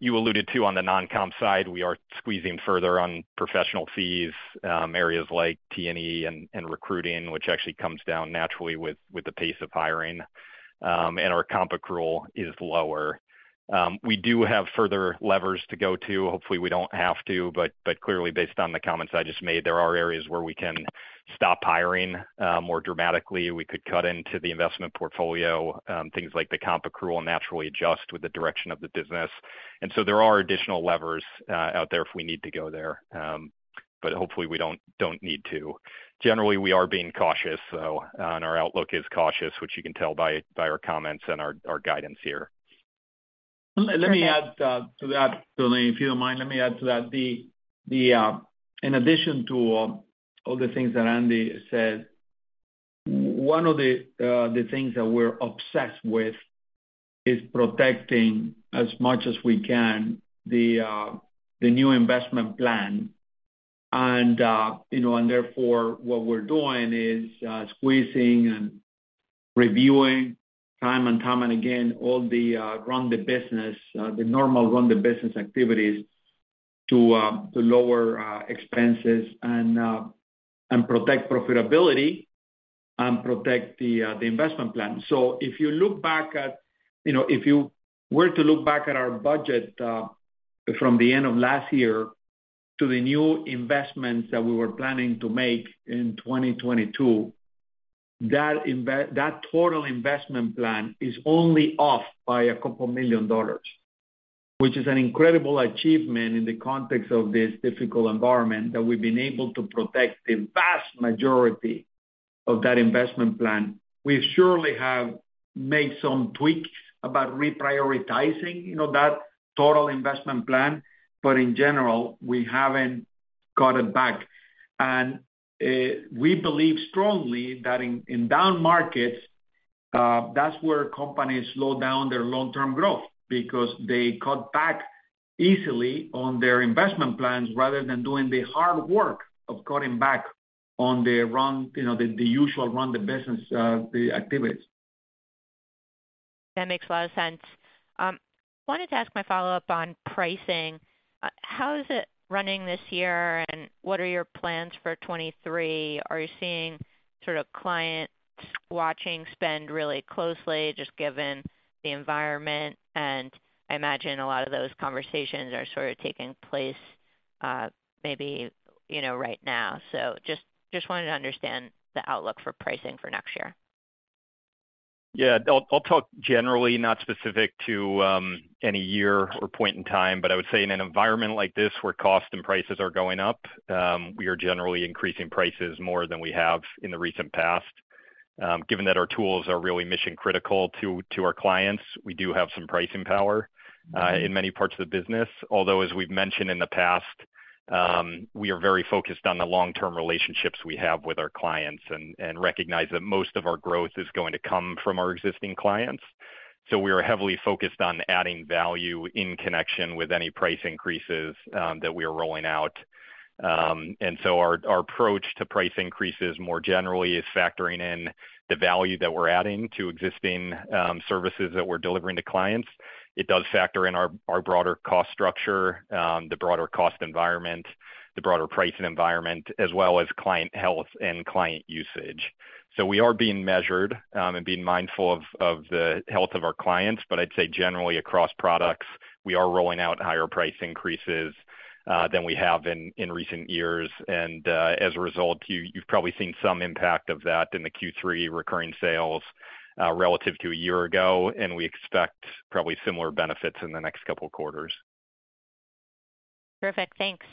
You alluded to on the non-comp side, we are squeezing further on professional fees, areas like T&E and recruiting, which actually comes down naturally with the pace of hiring. Our comp accrual is lower. We do have further levers to go to. Hopefully, we don't have to, but clearly, based on the comments I just made, there are areas where we can stop hiring more dramatically. We could cut into the investment portfolio. Things like the comp accrual naturally adjust with the direction of the business. There are additional levers out there if we need to go there. Hopefully we don't need to. Generally, we are being cautious though, and our outlook is cautious, which you can tell by our comments and our guidance here. Let me add to that, Toni, if you don't mind. In addition to all the things that Andy said, one of the things that we're obsessed with is protecting as much as we can the new investment plan. You know, therefore what we're doing is squeezing and reviewing time and time again all the normal run the business activities to lower expenses and protect profitability and protect the investment plan. If you look back at, you know, if you were to look back at our budget from the end of last year to the new investments that we were planning to make in 2022, that total investment plan is only off by $2 million, which is an incredible achievement in the context of this difficult environment that we've been able to protect the vast majority of that investment plan. We surely have made some tweaks about reprioritizing, you know, that total investment plan, but in general, we haven't cut it back. We believe strongly that in down markets, that's where companies slow down their long-term growth because they cut back easily on their investment plans rather than doing the hard work of cutting back on the run rate, you know, the usual run-the-business activities. That makes a lot of sense. Wanted to ask my follow-up on pricing. How is it running this year, and what are your plans for 2023? Are you seeing sort of clients watching spend really closely just given the environment? I imagine a lot of those conversations are sort of taking place, maybe, you know, right now. Just wanted to understand the outlook for pricing for next year. Yeah. I'll talk generally, not specific to any year or point in time, but I would say in an environment like this where cost and prices are going up, we are generally increasing prices more than we have in the recent past. Given that our tools are really mission critical to our clients, we do have some pricing power in many parts of the business. Although as we've mentioned in the past, we are very focused on the long-term relationships we have with our clients and recognize that most of our growth is going to come from our existing clients. We are heavily focused on adding value in connection with any price increases that we are rolling out. Our approach to price increases more generally is factoring in the value that we're adding to existing services that we're delivering to clients. It does factor in our broader cost structure, the broader cost environment, the broader pricing environment, as well as client health and client usage. We are being measured and being mindful of the health of our clients, but I'd say generally across products, we are rolling out higher price increases than we have in recent years. As a result, you've probably seen some impact of that in the Q3 recurring sales relative to a year ago, and we expect probably similar benefits in the next couple quarters. Perfect. Thanks.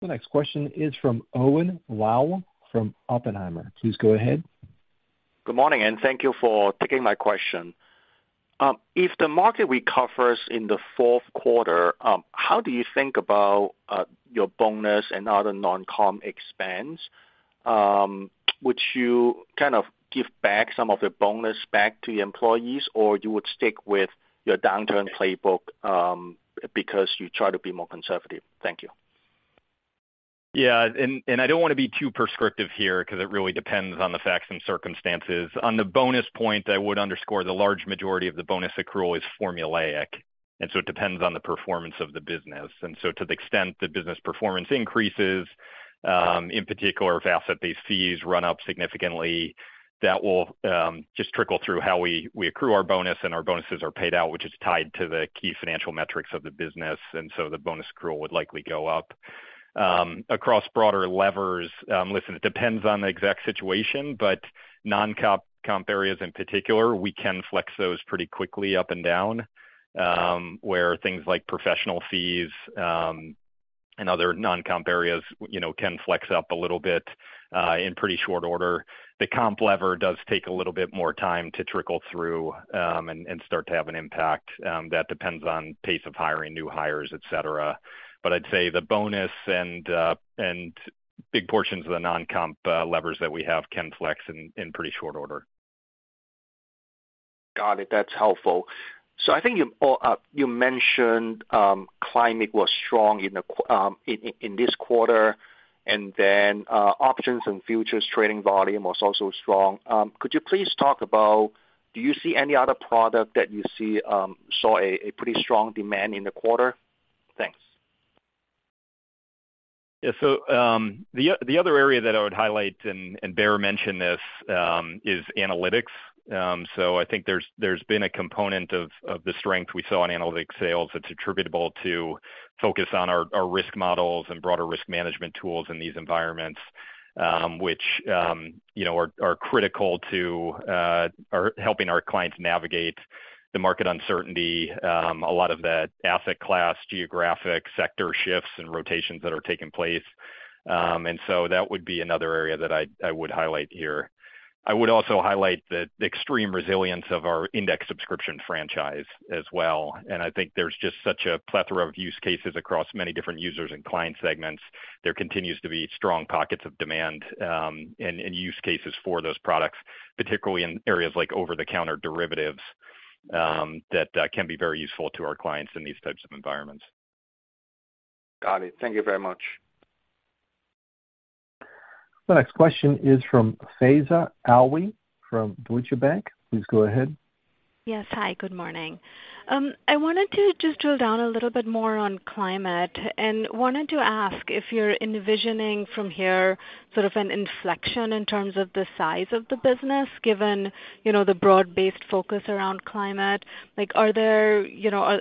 The next question is from Owen Lau from Oppenheimer. Please go ahead. Good morning, and thank you for taking my question. If the market recovers in the fourth quarter, how do you think about your bonus and other non-comp expense? Would you kind of give back some of the bonus back to the employees, or you would stick with your downturn playbook, because you try to be more conservative? Thank you. Yeah. I don't wanna be too prescriptive here because it really depends on the facts and circumstances. On the bonus point, I would underscore the large majority of the bonus accrual is formulaic, and so it depends on the performance of the business. To the extent the business performance increases, in particular if asset-based fees run up significantly, that will just trickle through how we accrue our bonus, and our bonuses are paid out, which is tied to the key financial metrics of the business, and the bonus accrual would likely go up. Across broader levers, listen, it depends on the exact situation, but non-comp and comp areas in particular, we can flex those pretty quickly up and down, where things like professional fees and other non-comp areas, you know, can flex up a little bit in pretty short order. The comp lever does take a little bit more time to trickle through, and start to have an impact. That depends on pace of hiring, new hires, et cetera. I'd say the bonus and big portions of the non-comp levers that we have can flex in pretty short order. Got it. That's helpful. I think you mentioned climate was strong in this quarter, and then options and futures trading volume was also strong. Could you please talk about, do you see any other product that you saw a pretty strong demand in the quarter? Thanks. Yeah. The other area that I would highlight, and Baer mentioned this, is analytics. I think there's been a component of the strength we saw in analytics sales that's attributable to focus on our risk models and broader risk management tools in these environments, which, you know, are critical to helping our clients navigate the market uncertainty. A lot of the asset class, geographic sector shifts and rotations that are taking place. That would be another area that I'd highlight here. I would also highlight the extreme resilience of our index subscription franchise as well. I think there's just such a plethora of use cases across many different users and client segments. There continues to be strong pockets of demand, and use cases for those products, particularly in areas like over-the-counter derivatives, that can be very useful to our clients in these types of environments. Got it. Thank you very much. The next question is from Faiza Alwy from Deutsche Bank. Please go ahead. Yes. Hi, good morning. I wanted to just drill down a little bit more on climate, and wanted to ask if you're envisioning from here sort of an inflection in terms of the size of the business, given, you know, the broad-based focus around climate. Like, are there, you know,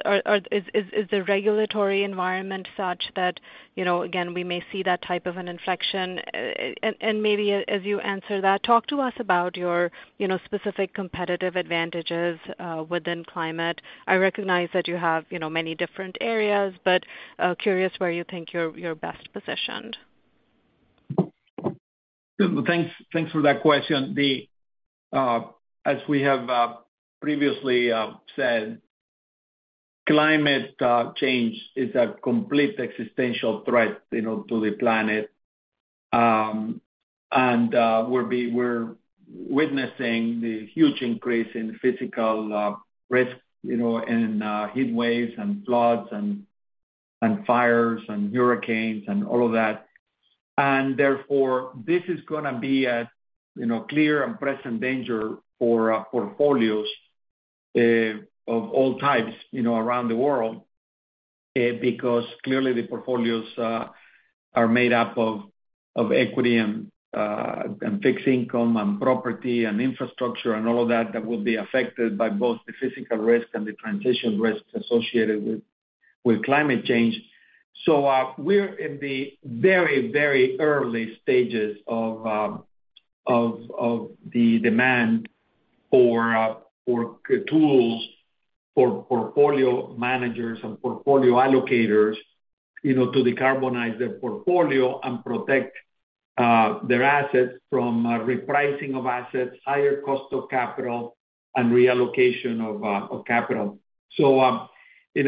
is the regulatory environment such that, you know, again, we may see that type of an inflection? And maybe as you answer that, talk to us about your, you know, specific competitive advantages, within climate. I recognize that you have, you know, many different areas, but, curious where you think you're best positioned. Sure. Thanks for that question. As we have previously said, climate change is a complete existential threat, you know, to the planet. We're witnessing the huge increase in physical risk, you know, in heat waves and floods and fires and hurricanes and all of that. Therefore, this is gonna be a clear and present danger for portfolios of all types, you know, around the world, because clearly the portfolios are made up of equity and fixed income and property and infrastructure and all of that will be affected by both the physical risk and the transition risks associated with climate change. We're in the very early stages of the demand for tools for portfolio managers and portfolio allocators, you know, to decarbonize their portfolio and protect their assets from repricing of assets, higher cost of capital and reallocation of capital. We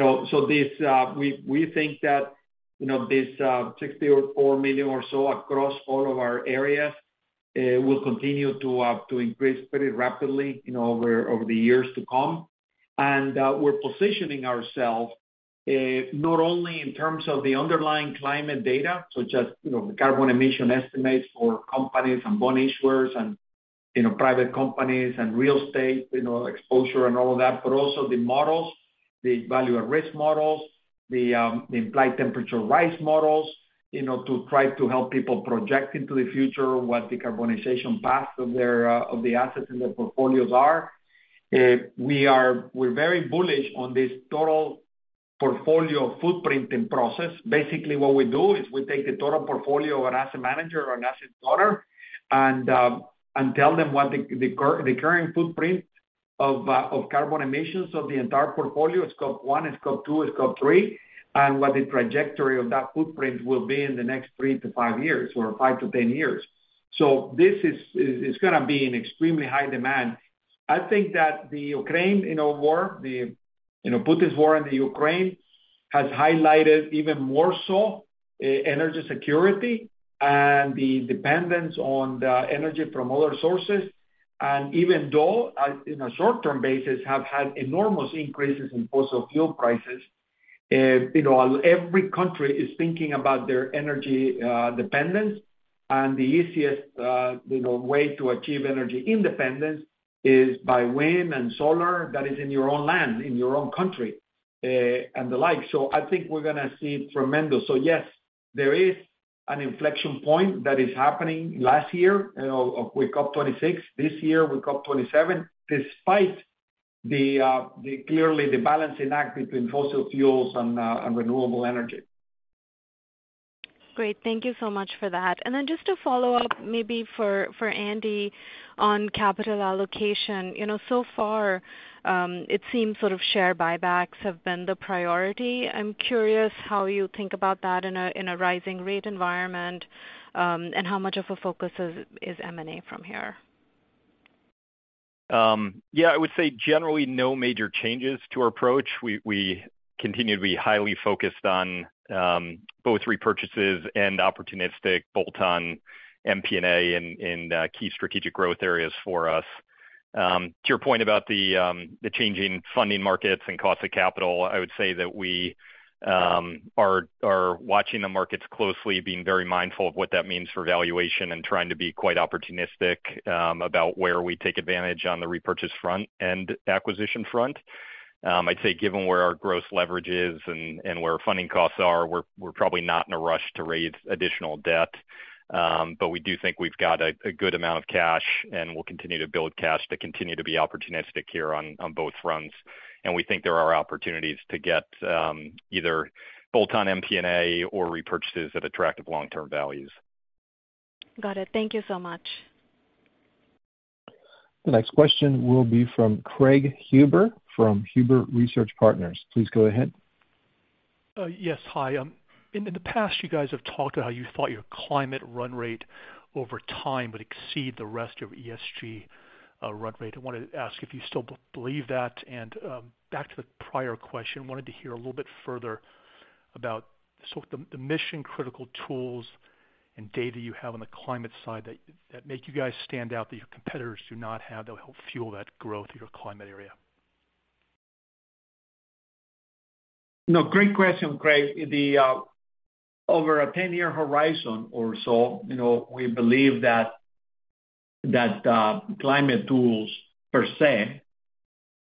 think that this $64 million or so across all of our areas will continue to increase pretty rapidly, you know, over the years to come. We're positioning ourselves not only in terms of the underlying climate data, so just, you know, carbon emission estimates for companies and bond issuers and, you know, private companies and real estate, you know, exposure and all of that, but also the models, the value at risk models, the Implied Temperature Rise models, you know, to try to help people project into the future what decarbonization paths of their of the assets in their portfolios are. We're very bullish on this Total Portfolio Footprinting process. Basically, what we do is we take the total portfolio of an asset manager or an asset owner and tell them what the current footprint of carbon emissions of the entire portfolio is, it's Scope one, it's Scope two, it's Scope three, and what the trajectory of that footprint will be in the next three to five years or five to 10 years. This is gonna be in extremely high demand. I think that the Ukraine war, you know, Putin's war in the Ukraine has highlighted even more so energy security and the dependence on the energy from other sources. Even though in a short-term basis have had enormous increases in fossil fuel prices, you know, every country is thinking about their energy dependence, and the easiest, you know, way to achieve energy independence is by wind and solar that is in your own land, in your own country, and the like. I think we're gonna see tremendous. Yes, there is an inflection point that is happening last year, you know, with COP26. This year with COP27, despite the clearly the balancing act between fossil fuels and renewable energy. Great. Thank you so much for that. Just to follow up maybe for Andy on capital allocation. You know, so far, it seems sort of share buybacks have been the priority. I'm curious how you think about that in a rising rate environment, and how much of a focus is M&A from here. Yeah, I would say generally no major changes to our approach. We continue to be highly focused on both repurchases and opportunistic bolt-on M&A in key strategic growth areas for us. To your point about the changing funding markets and cost of capital, I would say that we are watching the markets closely, being very mindful of what that means for valuation and trying to be quite opportunistic about where we take advantage on the repurchase front and acquisition front. I'd say given where our gross leverage is and where funding costs are, we're probably not in a rush to raise additional debt. We do think we've got a good amount of cash, and we'll continue to build cash to continue to be opportunistic here on both fronts. We think there are opportunities to get, either bolt-on M&A or repurchases at attractive long-term values. Got it. Thank you so much. The next question will be from Craig Huber from Huber Research Partners. Please go ahead. Yes. Hi. In the past, you guys have talked about how you thought your climate run rate over time would exceed the rest of ESG run rate. I wanted to ask if you still believe that. Back to the prior question, wanted to hear a little bit further about sort of the mission-critical tools and data you have on the climate side that make you guys stand out that your competitors do not have that help fuel that growth in your climate area. No, great question, Craig. Over a 10-year horizon or so, you know, we believe that climate tools per se,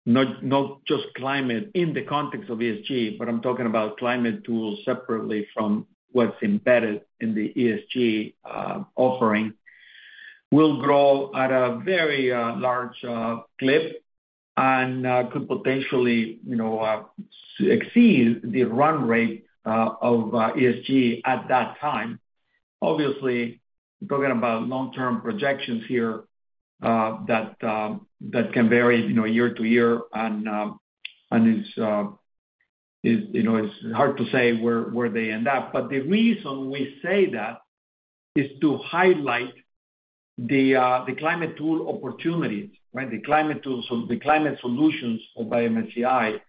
not just climate in the context of ESG, but I'm talking about climate tools separately from what's embedded in the ESG offering, will grow at a very large clip and could potentially, you know, exceed the run rate of ESG at that time. Obviously, talking about long-term projections here, that can vary, you know, year to year and is hard to say where they end up. The reason we say that is to highlight the climate tool opportunities, right? The climate tools, the climate solutions by MSCI,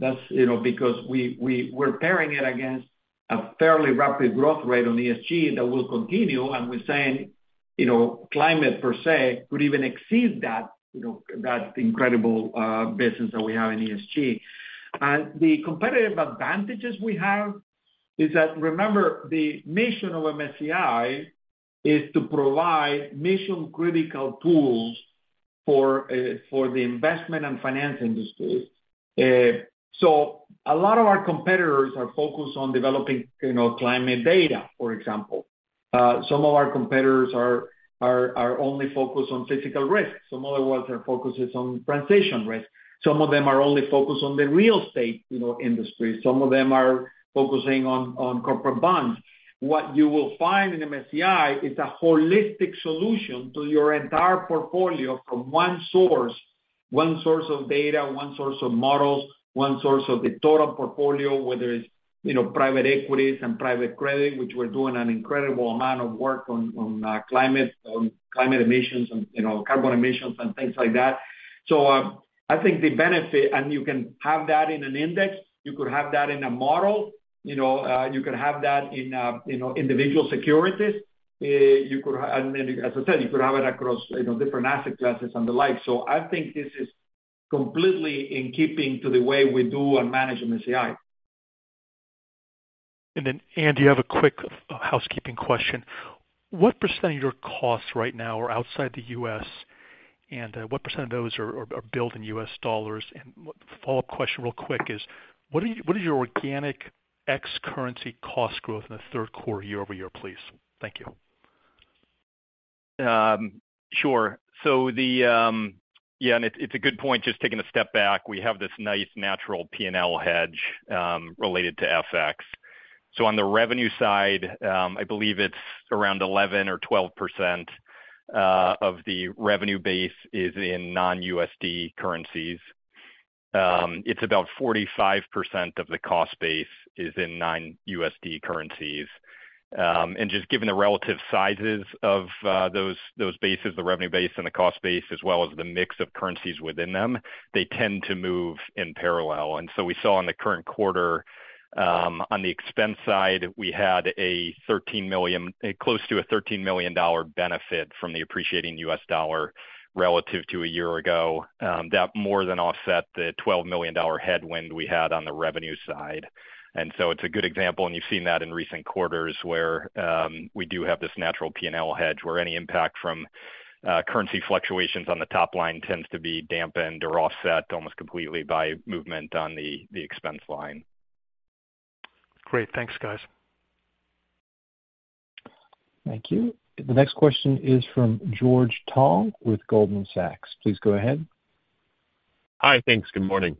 that's, you know, because we're pairing it against a fairly rapid growth rate on ESG that will continue, and we're saying, you know, climate per se could even exceed that, you know, that incredible business that we have in ESG. The competitive advantages we have is that, remember, the mission of MSCI is to provide mission-critical tools for the investment and finance industries. So a lot of our competitors are focused on developing, you know, climate data, for example. Some of our competitors are only focused on physical risk. Some other ones are focuses on transition risk. Some of them are only focused on the real estate, you know, industry. Some of them are focusing on corporate bonds. What you will find in MSCI is a holistic solution to your entire portfolio from one source, one source of data, one source of models, one source of the total portfolio, whether it's, you know, private equities and private credit, which we're doing an incredible amount of work on climate emissions and, you know, carbon emissions and things like that. I think the benefit, and you can have that in an index, you could have that in a model, you know, you could have that in individual securities. Maybe as I said, you could have it across, you know, different asset classes and the like. I think this is completely in keeping to the way we do and manage MSCI. Andy, I have a quick housekeeping question. What percent of your costs right now are outside the U.S., and what percent of those are billed in U.S. dollars? Follow-up question real quick is, what is your organic ex-currency cost growth in the third quarter year-over-year, please? Thank you. Sure. Yeah, it's a good point. Just taking a step back, we have this nice natural P&L hedge related to FX. On the revenue side, I believe it's around 11 or 12% of the revenue base is in non-USD currencies. It's about 45% of the cost base is in non-USD currencies. Just given the relative sizes of those bases, the revenue base and the cost base as well as the mix of currencies within them, they tend to move in parallel. We saw in the current quarter, on the expense side, we had close to a $13 million benefit from the appreciating U.S. dollar relative to a year ago. That more than offset the $12 million headwind we had on the revenue side. It's a good example, and you've seen that in recent quarters where we do have this natural P&L hedge where any impact from currency fluctuations on the top line tends to be dampened or offset almost completely by movement on the expense line. Great. Thanks, guys. Thank you. The next question is from George Tong with Goldman Sachs. Please go ahead. Hi. Thanks. Good morning.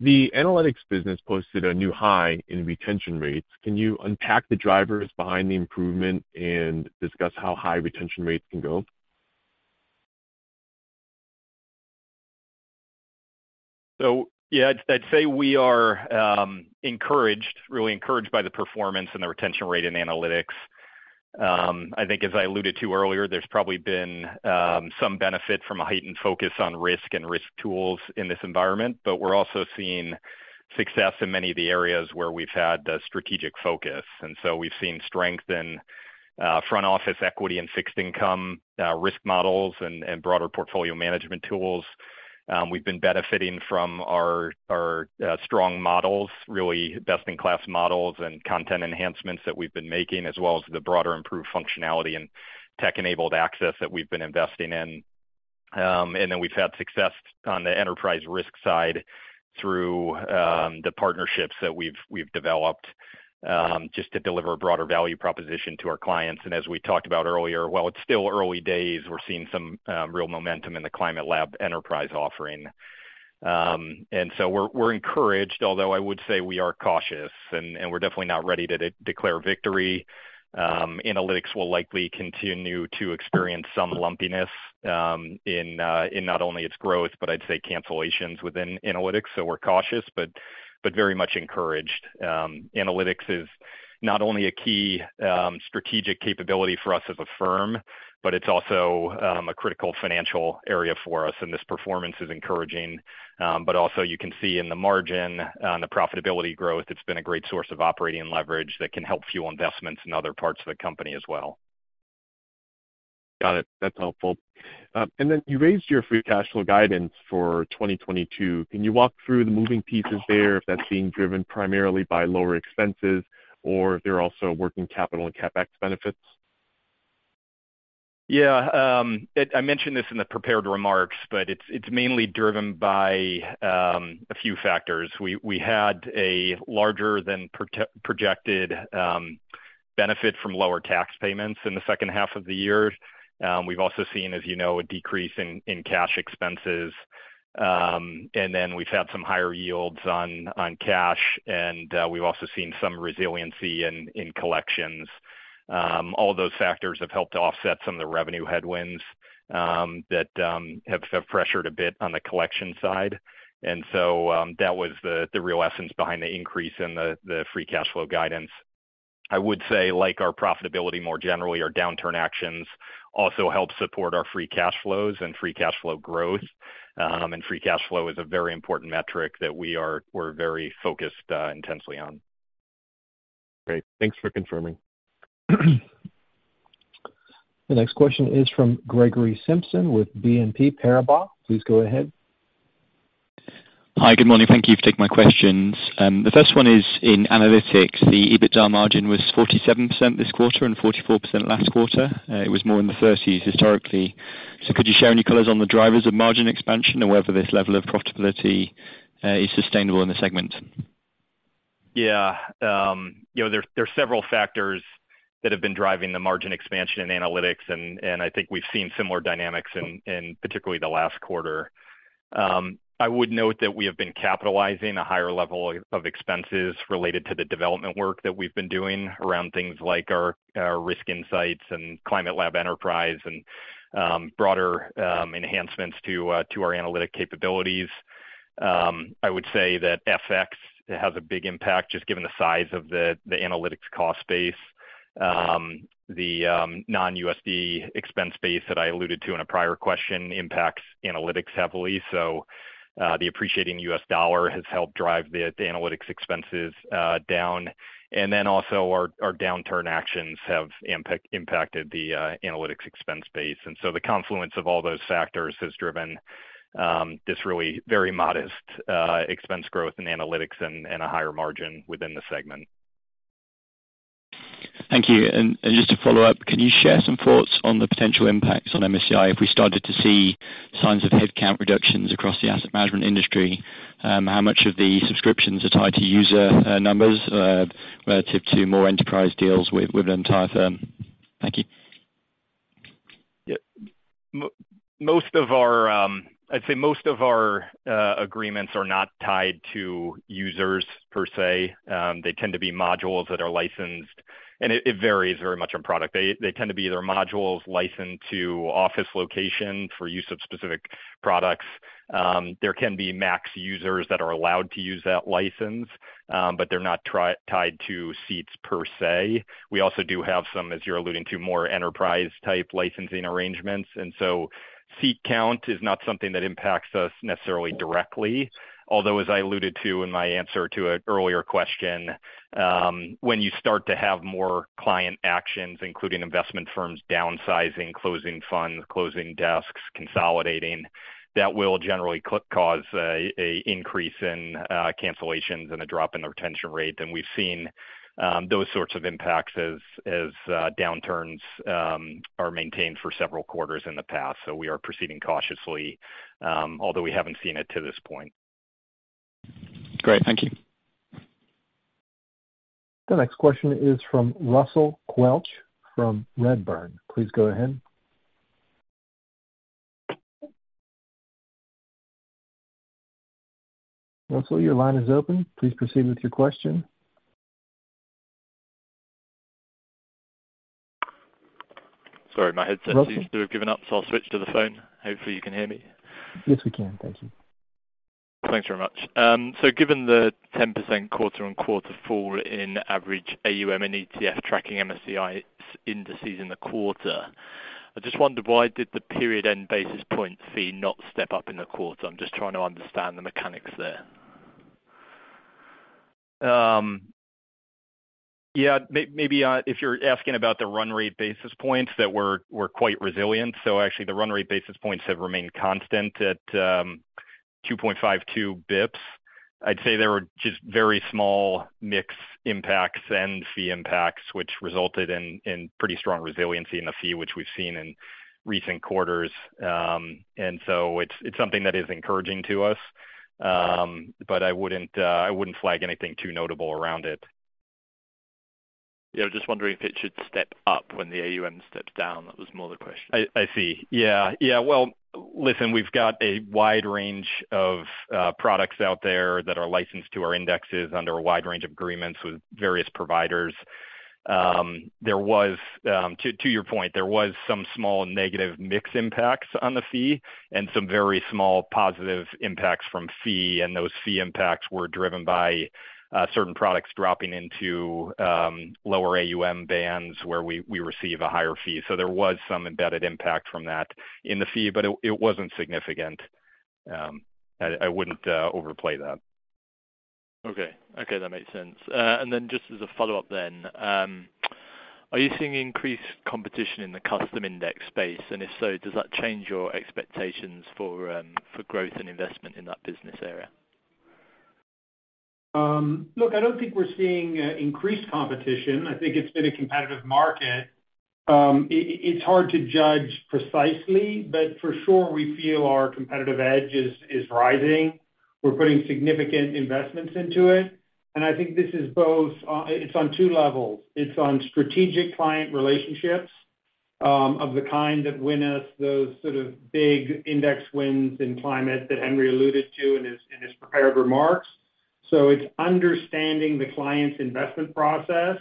The analytics business posted a new high in retention rates. Can you unpack the drivers behind the improvement and discuss how high retention rates can go? Yeah, I'd say we are encouraged, really encouraged by the performance and the retention rate in analytics. I think as I alluded to earlier, there's probably been some benefit from a heightened focus on risk and risk tools in this environment. We're also seeing success in many of the areas where we've had a strategic focus. We've seen strength in front office equity and fixed income risk models and broader portfolio management tools. We've been benefiting from our strong models, really best-in-class models and content enhancements that we've been making, as well as the broader improved functionality and tech-enabled access that we've been investing in. We've had success on the enterprise risk side through the partnerships that we've developed just to deliver a broader value proposition to our clients. As we talked about earlier, while it's still early days, we're seeing some real momentum in the Climate Lab Enterprise offering. We're encouraged, although I would say we are cautious and we're definitely not ready to declare victory. Analytics will likely continue to experience some lumpiness in not only its growth, but I'd say cancellations within analytics. We're cautious but very much encouraged. Analytics is not only a key strategic capability for us as a firm, but it's also a critical financial area for us, and this performance is encouraging. You can see in the margin and the profitability growth, it's been a great source of operating leverage that can help fuel investments in other parts of the company as well. Got it. That's helpful. You raised your free cash flow guidance for 2022. Can you walk through the moving pieces there if that's being driven primarily by lower expenses or if there are also working capital and CapEx benefits? Yeah. I mentioned this in the prepared remarks, but it's mainly driven by a few factors. We had a larger than projected benefit from lower tax payments in the second half of the year. We've also seen, as you know, a decrease in cash expenses. And then we've had some higher yields on cash, and we've also seen some resiliency in collections. All of those factors have helped offset some of the revenue headwinds that have pressured a bit on the collection side. That was the real essence behind the increase in the free cash flow guidance. I would say, like our profitability more generally, our downturn actions also help support our free cash flows and free cash flow growth. Free cash flow is a very important metric that we're very focused intensely on. Great. Thanks for confirming. The next question is from Gregory Simpson with BNP Paribas. Please go ahead. Hi. Good morning. Thank you for taking my questions. The first one is in analytics. The EBITDA margin was 47% this quarter and 44% last quarter. It was more in the 30s historically. Could you share any colors on the drivers of margin expansion or whether this level of profitability is sustainable in the segment? Yeah. You know, there's several factors that have been driving the margin expansion in analytics, and I think we've seen similar dynamics in particularly the last quarter. I would note that we have been capitalizing a higher level of expenses related to the development work that we've been doing around things like our Risk Insights and Climate Lab Enterprise and broader enhancements to our analytic capabilities. I would say that FX has a big impact just given the size of the analytics cost base. The non-USD expense base that I alluded to in a prior question impacts analytics heavily. The appreciating U.S. dollar has helped drive the analytics expenses down. Our downturn actions have impacted the analytics expense base. The confluence of all those factors has driven this really very modest expense growth in analytics and a higher margin within the segment. Thank you. Just to follow up, can you share some thoughts on the potential impacts on MSCI if we started to see signs of headcount reductions across the asset management industry? How much of the subscriptions are tied to user numbers relative to more enterprise deals with an entire firm? Thank you. Most of our, I'd say most of our agreements are not tied to users per se. They tend to be modules that are licensed, and it varies very much on product. They tend to be either modules licensed to office location for use of specific products. There can be max users that are allowed to use that license, but they're not tied to seats per se. We also do have some, as you're alluding to, more enterprise-type licensing arrangements. Seat count is not something that impacts us necessarily directly. Although, as I alluded to in my answer to an earlier question, when you start to have more client actions, including investment firms downsizing, closing funds, closing desks, consolidating, that will generally cause an increase in cancellations and a drop in the retention rate. We've seen those sorts of impacts as downturns are maintained for several quarters in the past. We are proceeding cautiously, although we haven't seen it to this point. Great. Thank you. The next question is from Russell Quelch from Redburn. Please go ahead. Russell, your line is open. Please proceed with your question. Sorry, my headset. Welcome. Seems to have given up, so I'll switch to the phone. Hopefully you can hear me. Yes, we can. Thank you. Thanks very much. Given the 10% quarter-over-quarter fall in average AUM and ETF tracking MSCI indices in the quarter, I just wondered why did the period end basis point fee not step up in the quarter? I'm just trying to understand the mechanics there. Yeah. Maybe if you're asking about the run rate basis points that were quite resilient, actually the run rate basis points have remained constant at 2.52 basis points. I'd say there were just very small mix impacts and fee impacts which resulted in pretty strong resiliency in the fee which we've seen in recent quarters. It's something that is encouraging to us. I wouldn't flag anything too notable around it. Yeah, just wondering if it should step up when the AUM steps down. That was more the question. I see. Yeah. Well, listen, we've got a wide range of products out there that are licensed to our indexes under a wide range of agreements with various providers. To your point, there was some small negative mix impacts on the fee and some very small positive impacts from fee, and those fee impacts were driven by certain products dropping into lower AUM bands where we receive a higher fee. There was some embedded impact from that in the fee, but it wasn't significant. I wouldn't overplay that. Okay. Okay, that makes sense. Just as a follow-up, are you seeing increased competition in the custom index space? If so, does that change your expectations for growth and investment in that business area? Look, I don't think we're seeing increased competition. I think it's been a competitive market. It's hard to judge precisely, but for sure we feel our competitive edge is rising. We're putting significant investments into it, and I think this is both, it's on two levels. It's on strategic client relationships, of the kind that win us those sort of big index wins in climate that Henry alluded to in his prepared remarks. It's understanding the client's investment process,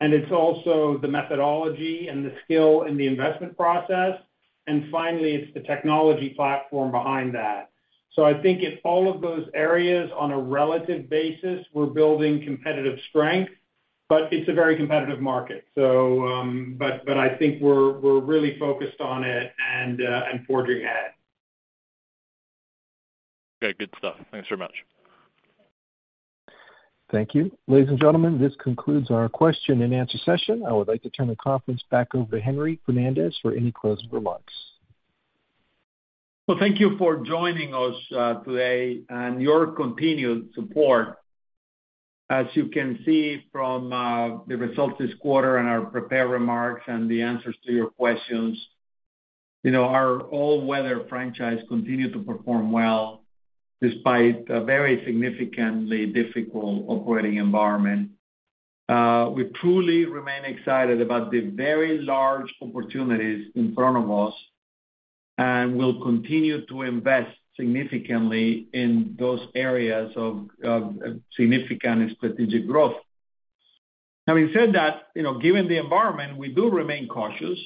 and it's also the methodology and the skill in the investment process. Finally, it's the technology platform behind that. I think in all of those areas, on a relative basis, we're building competitive strength, but it's a very competitive market. I think we're really focused on it and forging ahead. Okay, good stuff. Thanks very much. Thank you. Ladies and gentlemen, this concludes our question and answer session. I would like to turn the conference back over to Henry Fernandez for any closing remarks. Well, thank you for joining us today and your continued support. As you can see from the results this quarter and our prepared remarks and the answers to your questions, you know, our all-weather franchise continued to perform well despite a very significantly difficult operating environment. We truly remain excited about the very large opportunities in front of us, and we'll continue to invest significantly in those areas of significant and strategic growth. Having said that, you know, given the environment, we do remain cautious.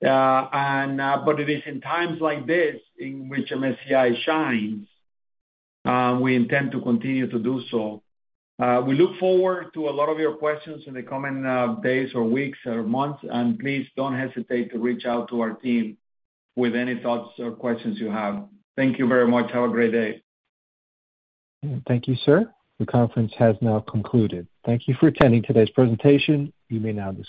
It is in times like this in which MSCI shines, we intend to continue to do so. We look forward to a lot of your questions in the coming days or weeks or months, and please don't hesitate to reach out to our team with any thoughts or questions you have. Thank you very much. Have a great day. Thank you, Sir. The conference has now concluded. Thank you for attending today's presentation. You may now disconnect.